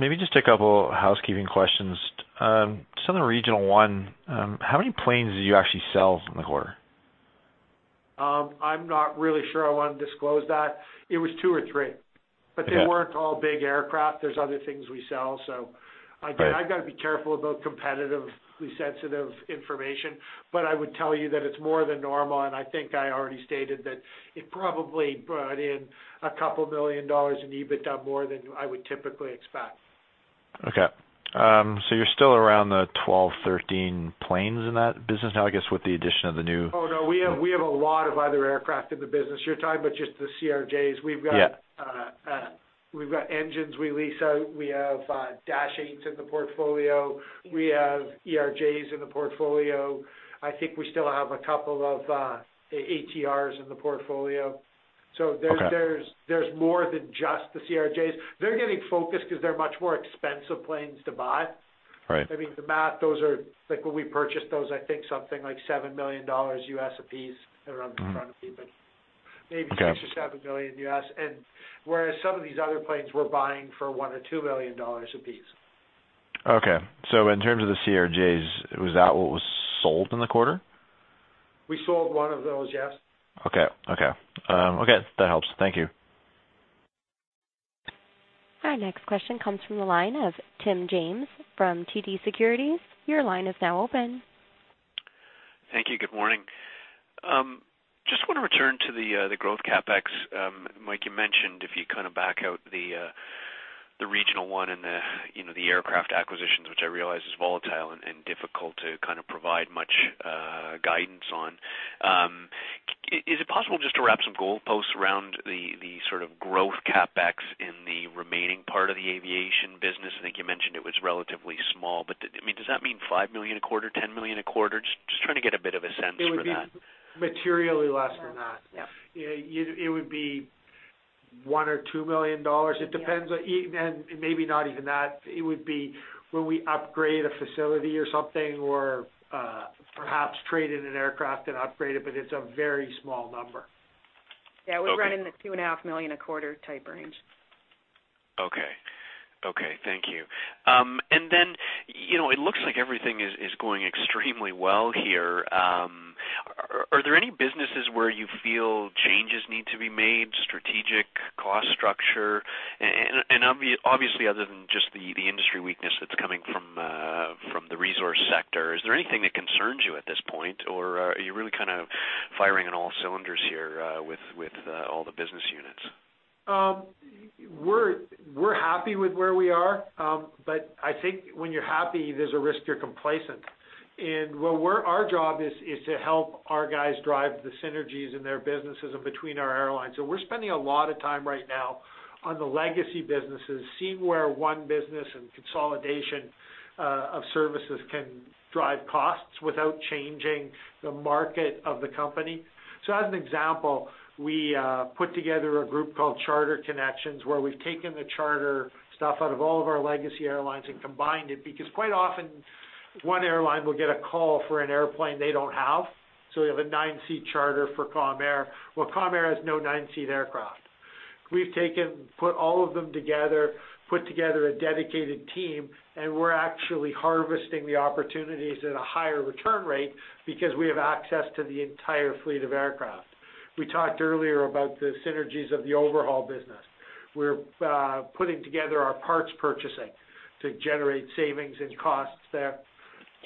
Maybe just a couple housekeeping questions. Southern Regional One, how many planes did you actually sell in the quarter? I'm not really sure I want to disclose that. It was two or three. Okay. They weren't all big aircraft. There's other things we sell. Right I've got to be careful about competitively sensitive information, but I would tell you that it's more than normal, and I think I already stated that it probably brought in a couple million dollars in EBITDA more than I would typically expect. Okay. You're still around the 12, 13 planes in that business now, I guess. Oh, no. We have a lot of other aircraft in the business you're talking, but just the CRJs. Yeah we've got engines we lease out. We have Dash 8s in the portfolio. We have ERJs in the portfolio. I think we still have a couple of ATRs in the portfolio. Okay. There's more than just the CRJs. They're getting focused because they're much more expensive planes to buy. Right. I mean, the math, when we purchased those, I think something like $7 million U.S. apiece, they're up in front of me, but. Okay $6 or $7 million U.S. whereas some of these other planes we're buying for $1 million or $2 million U.S. apiece. Okay. In terms of the CRJs, was that what was sold in the quarter? We sold one of those, yes. Okay. That helps. Thank you. Our next question comes from the line of Tim James from TD Securities. Your line is now open. Thank you. Good morning. Just want to return to the growth CapEx. Mike, you mentioned if you back out the Regional One and the aircraft acquisitions, which I realize is volatile and difficult to provide much guidance on. Is it possible just to wrap some goalposts around the sort of growth CapEx in the remaining part of the aviation business? I think you mentioned it was relatively small, but does that mean 5 million a quarter, 10 million a quarter? Just trying to get a bit of a sense for that. It would be materially less than that. Yeah. It would be 1 million or 2 million dollars. It depends. Maybe not even that. It would be when we upgrade a facility or something, or perhaps trade in an aircraft and upgrade it. It's a very small number. Okay. Yeah, we're running the two and a half million a quarter type range. Okay. Thank you. It looks like everything is going extremely well here. Are there any businesses where you feel changes need to be made, strategic cost structure? Obviously, other than just the industry weakness that's coming from the resource sector, is there anything that concerns you at this point? Are you really kind of firing on all cylinders here with all the business units? We're happy with where we are. I think when you're happy, there's a risk you're complacent. Our job is to help our guys drive the synergies in their businesses and between our airlines. We're spending a lot of time right now on the legacy businesses, seeing where one business and consolidation of services can drive costs without changing the market of the company. As an example, we put together a group called Charter Connections, where we've taken the charter stuff out of all of our legacy airlines and combined it. Quite often, one airline will get a call for an airplane they don't have. We have a nine-seat charter for Comair. Comair has no nine-seat aircraft. We've put all of them together, put together a dedicated team, and we're actually harvesting the opportunities at a higher return rate because we have access to the entire fleet of aircraft. We talked earlier about the synergies of the overhaul business. We're putting together our parts purchasing to generate savings and costs there.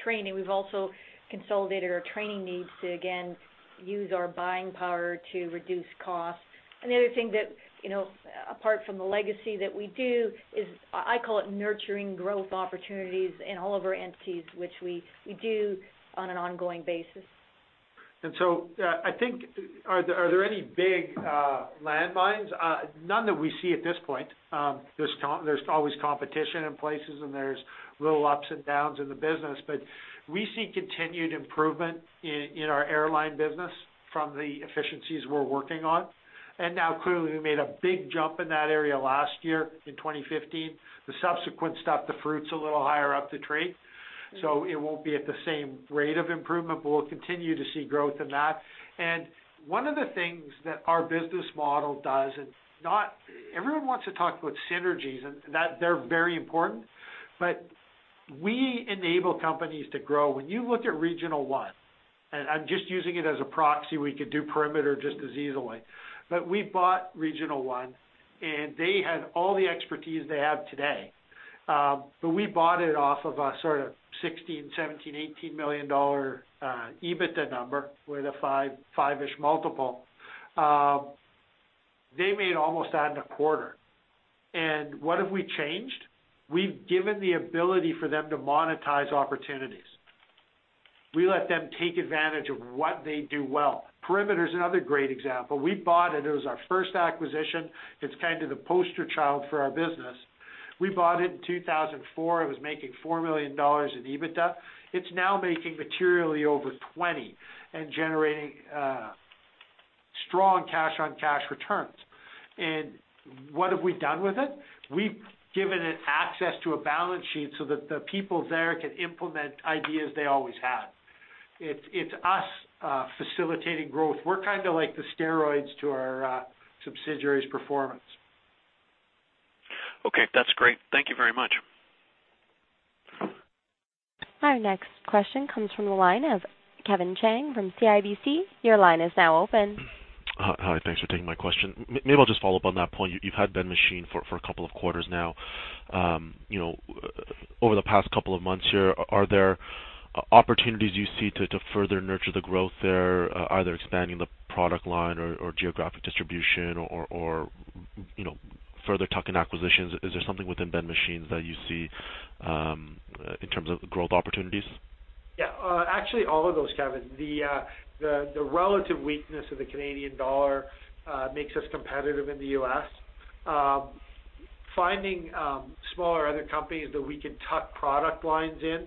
Training. We've also consolidated our training needs to, again, use our buying power to reduce costs. The other thing that apart from the legacy that we do is, I call it nurturing growth opportunities in all of our entities, which we do on an ongoing basis. I think, are there any big landmines? None that we see at this point. There's always competition in places, and there's little ups and downs in the business, but we see continued improvement in our airline business from the efficiencies we're working on. Clearly, we made a big jump in that area last year, in 2015. The subsequent stuff, the fruit's a little higher up the tree, so it won't be at the same rate of improvement, but we'll continue to see growth in that. One of the things that our business model does, and everyone wants to talk about synergies and they're very important, but we enable companies to grow. When you look at Regional One, and I'm just using it as a proxy, we could do Perimeter just as easily. We bought Regional One, and they had all the expertise they have today. We bought it off of a sort of 16 million, 17 million, 18 million dollar EBITDA number with a five-ish multiple. They made almost that in a quarter. What have we changed? We've given the ability for them to monetize opportunities. We let them take advantage of what they do well. Perimeter's another great example. We bought it. It was our first acquisition. It's kind of the poster child for our business. We bought it in 2004. It was making 4 million dollars in EBITDA. It's now making materially over 20 million and generating strong cash on cash returns. What have we done with it? We've given it access to a balance sheet so that the people there can implement ideas they always had. It's us facilitating growth. We're kind of like the steroids to our subsidiary's performance. Okay. That's great. Thank you very much. Our next question comes from the line of Kevin Chiang from CIBC. Your line is now open. Hi. Thanks for taking my question. Maybe I'll just follow up on that point. You've had Ben Machine for a couple of quarters now. Over the past couple of months here, are there opportunities you see to further nurture the growth there, either expanding the product line or geographic distribution or further tuck-in acquisitions? Is there something within Ben Machine that you see, in terms of growth opportunities? Yeah. Actually, all of those, Kevin. The relative weakness of the Canadian dollar makes us competitive in the U.S. Finding smaller other companies that we can tuck product lines in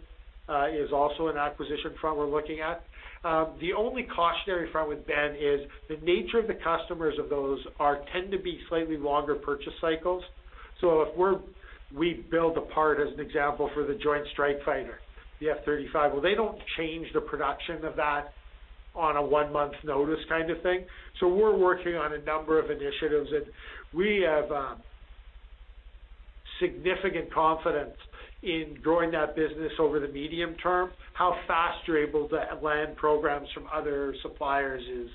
is also an acquisition front we're looking at. The only cautionary front with Ben is the nature of the customers of those tend to be slightly longer purchase cycles. If we build a part, as an example, for the joint strike fighter, the F-35, well, they don't change the production of that on a one-month notice kind of thing. We're working on a number of initiatives, and we have significant confidence in growing that business over the medium term. How fast you're able to land programs from other suppliers is,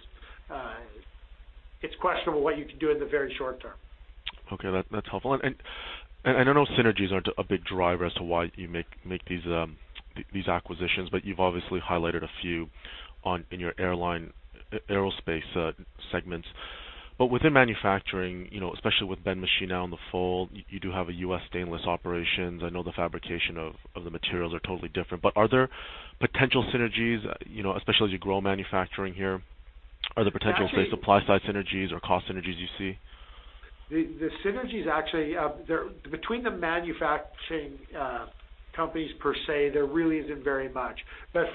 it's questionable what you can do in the very short term. Okay. That's helpful. I know synergies are a big driver as to why you make these acquisitions, but you've obviously highlighted a few in your aerospace segments. Within manufacturing, especially with Ben Machine now in the fold, you do have a U.S. stainless operations. I know the fabrication of the materials are totally different, but are there potential synergies, especially as you grow manufacturing here? Are there potential, say, supply-side synergies or cost synergies you see? The synergies actually, between the manufacturing companies per se, there really isn't very much.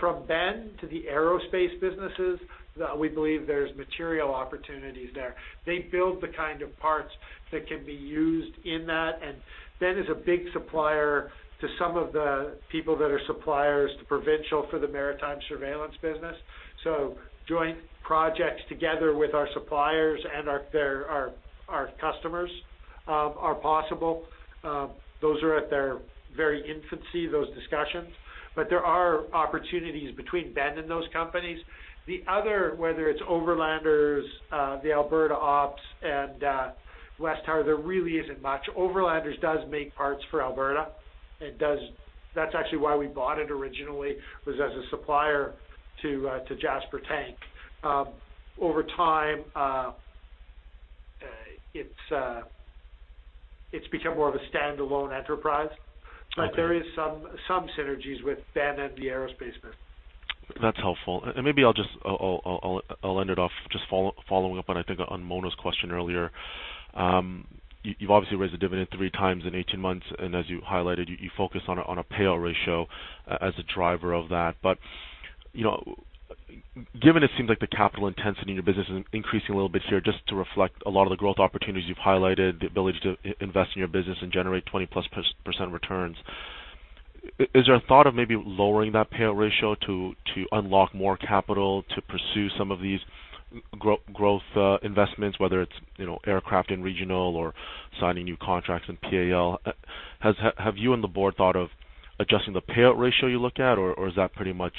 From Ben to the aerospace businesses, we believe there's material opportunities there. They build the kind of parts that can be used in that, and Ben is a big supplier to some of the people that are suppliers to Provincial Aerospace for the maritime surveillance business. Joint projects together with our suppliers and our customers are possible. Those are at their very infancy, those discussions. There are opportunities between Ben and those companies. The other, whether it's Overlanders, the Alberta ops, and WesTower, there really isn't much. Overlanders does make parts for Alberta. That's actually why we bought it originally, was as a supplier to Jasper Tank. Over time, it's become more of a standalone enterprise. Okay. There is some synergies with Ben Machine and the aerospace business. That's helpful. Maybe I'll end it off just following up on, I think on Mona's question earlier. You've obviously raised the dividend three times in 18 months, and as you highlighted, you focus on a payout ratio as a driver of that. Given it seems like the capital intensity in your business is increasing a little bit here, just to reflect a lot of the growth opportunities you've highlighted, the ability to invest in your business and generate 20-plus% returns. Is there a thought of maybe lowering that payout ratio to unlock more capital to pursue some of these growth investments, whether it's aircraft and Regional One or signing new contracts in PAL? Have you and the board thought of adjusting the payout ratio you look at, or is that pretty much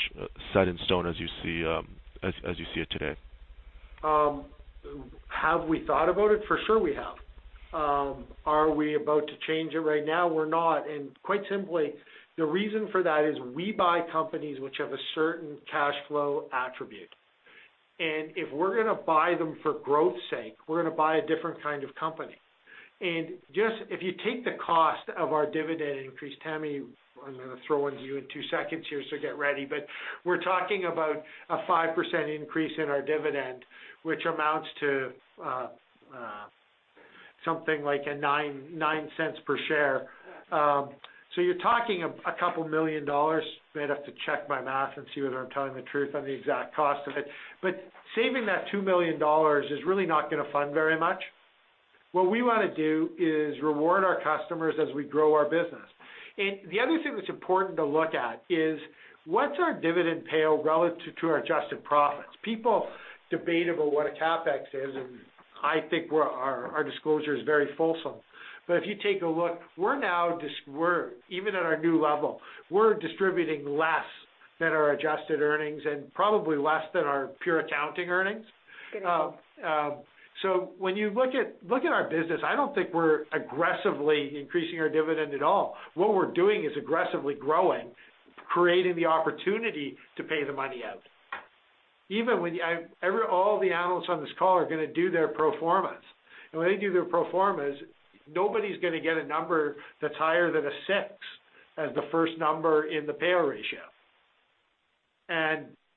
set in stone as you see it today? Have we thought about it? For sure we have. Are we about to change it right now? We're not. Quite simply, the reason for that is we buy companies which have a certain cash flow attribute. If we're going to buy them for growth's sake, we're going to buy a different kind of company. If you take the cost of our dividend increase, Tammy, I'm going to throw one to you in two seconds here, get ready. We're talking about a 5% increase in our dividend, which amounts to something like 0.09 per share. You're talking a couple million CAD. Might have to check my math and see whether I'm telling the truth on the exact cost of it. Saving that 2 million dollars is really not going to fund very much. What we want to do is reward our customers as we grow our business. The other thing that's important to look at is what's our dividend payout relative to our adjusted profits. People debate about what a CapEx is, and I think our disclosure is very fulsome. If you take a look, even at our new level, we're distributing less than our adjusted earnings and probably less than our pure accounting earnings. When you look at our business, I don't think we're aggressively increasing our dividend at all. What we're doing is aggressively growing, creating the opportunity to pay the money out. All the analysts on this call are going to do their pro formas. When they do their pro formas, nobody's going to get a number that's higher than a six as the first number in the payout ratio.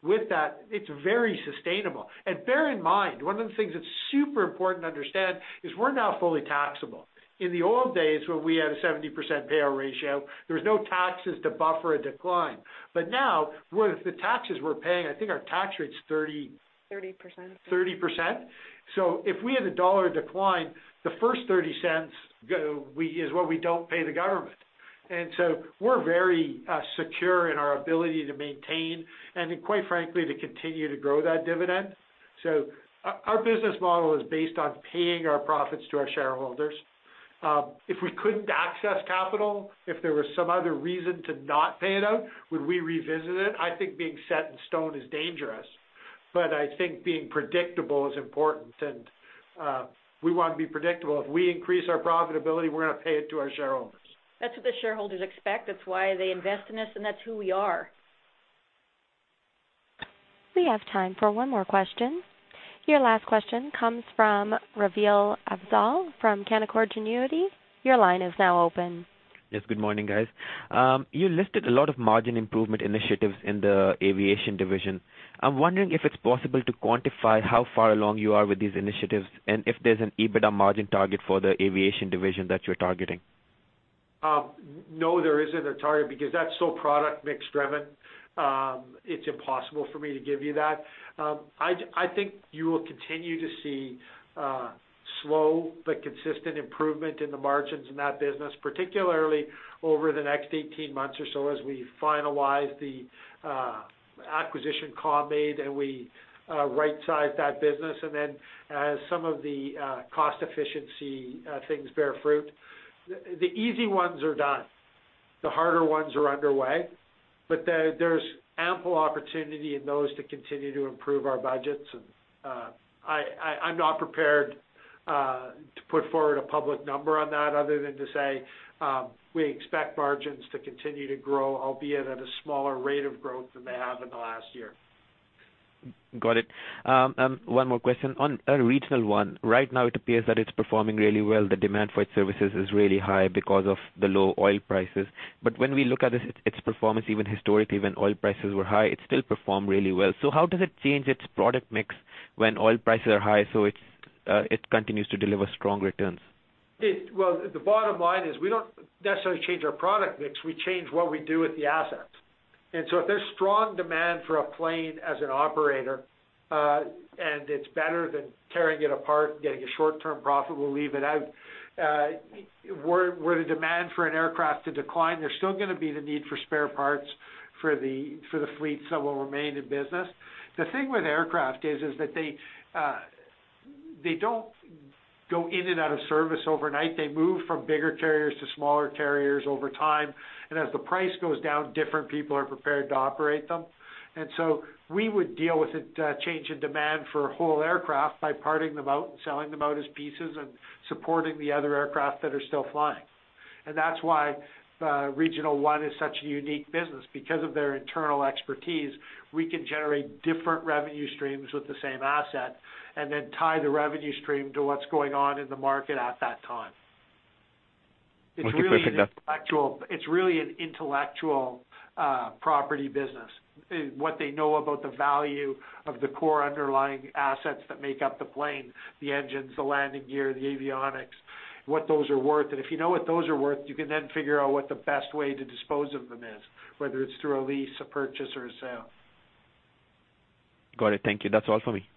With that, it's very sustainable. Bear in mind, one of the things that's super important to understand is we're now fully taxable. In the old days, when we had a 70% payout ratio, there was no taxes to buffer a decline. Now, with the taxes we're paying, I think our tax rate's 30- 30%. 30%. If we had a CAD decline, the first 0.30 is what we don't pay the government. We're very secure in our ability to maintain and then quite frankly, to continue to grow that dividend. Our business model is based on paying our profits to our shareholders. If we couldn't access capital, if there was some other reason to not pay it out, would we revisit it? I think being set in stone is dangerous, I think being predictable is important and we want to be predictable. If we increase our profitability, we're going to pay it to our shareholders. That's what the shareholders expect. That's why they invest in us and that's who we are. We have time for one more question. Your last question comes from Raveel Afzaal from Canaccord Genuity. Your line is now open. Yes, good morning, guys. You listed a lot of margin improvement initiatives in the aviation division. I'm wondering if it's possible to quantify how far along you are with these initiatives and if there's an EBITDA margin target for the aviation division that you're targeting? No, there isn't a target because that's so product mix driven. It's impossible for me to give you that. I think you will continue to see slow but consistent improvement in the margins in that business, particularly over the next 18 months or so as we finalize the acquisition Com made and we rightsize that business and then as some of the cost efficiency things bear fruit. The easy ones are done. The harder ones are underway. There's ample opportunity in those to continue to improve our budgets, and I'm not prepared to put forward a public number on that other than to say, we expect margins to continue to grow, albeit at a smaller rate of growth than they have in the last year. Got it. One more question. On Regional One, right now it appears that it's performing really well. The demand for its services is really high because of the low oil prices. When we look at its performance even historically when oil prices were high, it still performed really well. How does it change its product mix when oil prices are high, so it continues to deliver strong returns? Well, the bottom line is we don't necessarily change our product mix. We change what we do with the assets. If there's strong demand for a plane as an operator, and it's better than tearing it apart and getting a short-term profit, we'll leave it out. Were the demand for an aircraft to decline, there's still going to be the need for spare parts for the fleets that will remain in business. The thing with aircraft is that they don't go in and out of service overnight. They move from bigger carriers to smaller carriers over time. As the price goes down, different people are prepared to operate them. We would deal with a change in demand for whole aircraft by parting them out and selling them out as pieces and supporting the other aircraft that are still flying. That's why Regional One is such a unique business. Because of their internal expertise, we can generate different revenue streams with the same asset and then tie the revenue stream to what's going on in the market at that time. Okay. Perfect. It's really an intellectual property business. What they know about the value of the core underlying assets that make up the plane, the engines, the landing gear, the avionics, what those are worth. If you know what those are worth, you can then figure out what the best way to dispose of them is, whether it's through a lease, a purchase, or a sale. Got it. Thank you. That's all for me.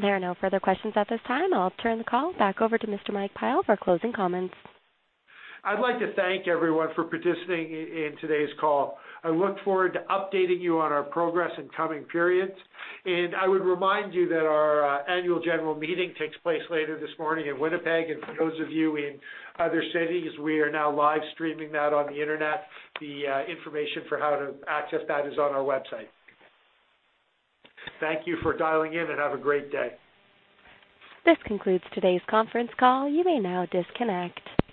There are no further questions at this time. I'll turn the call back over to Mr. Mike Pyle for closing comments. I'd like to thank everyone for participating in today's call. I look forward to updating you on our progress in coming periods. I would remind you that our annual general meeting takes place later this morning in Winnipeg. For those of you in other cities, we are now live streaming that on the internet. The information for how to access that is on our website. Thank you for dialing in and have a great day. This concludes today's conference call. You may now disconnect.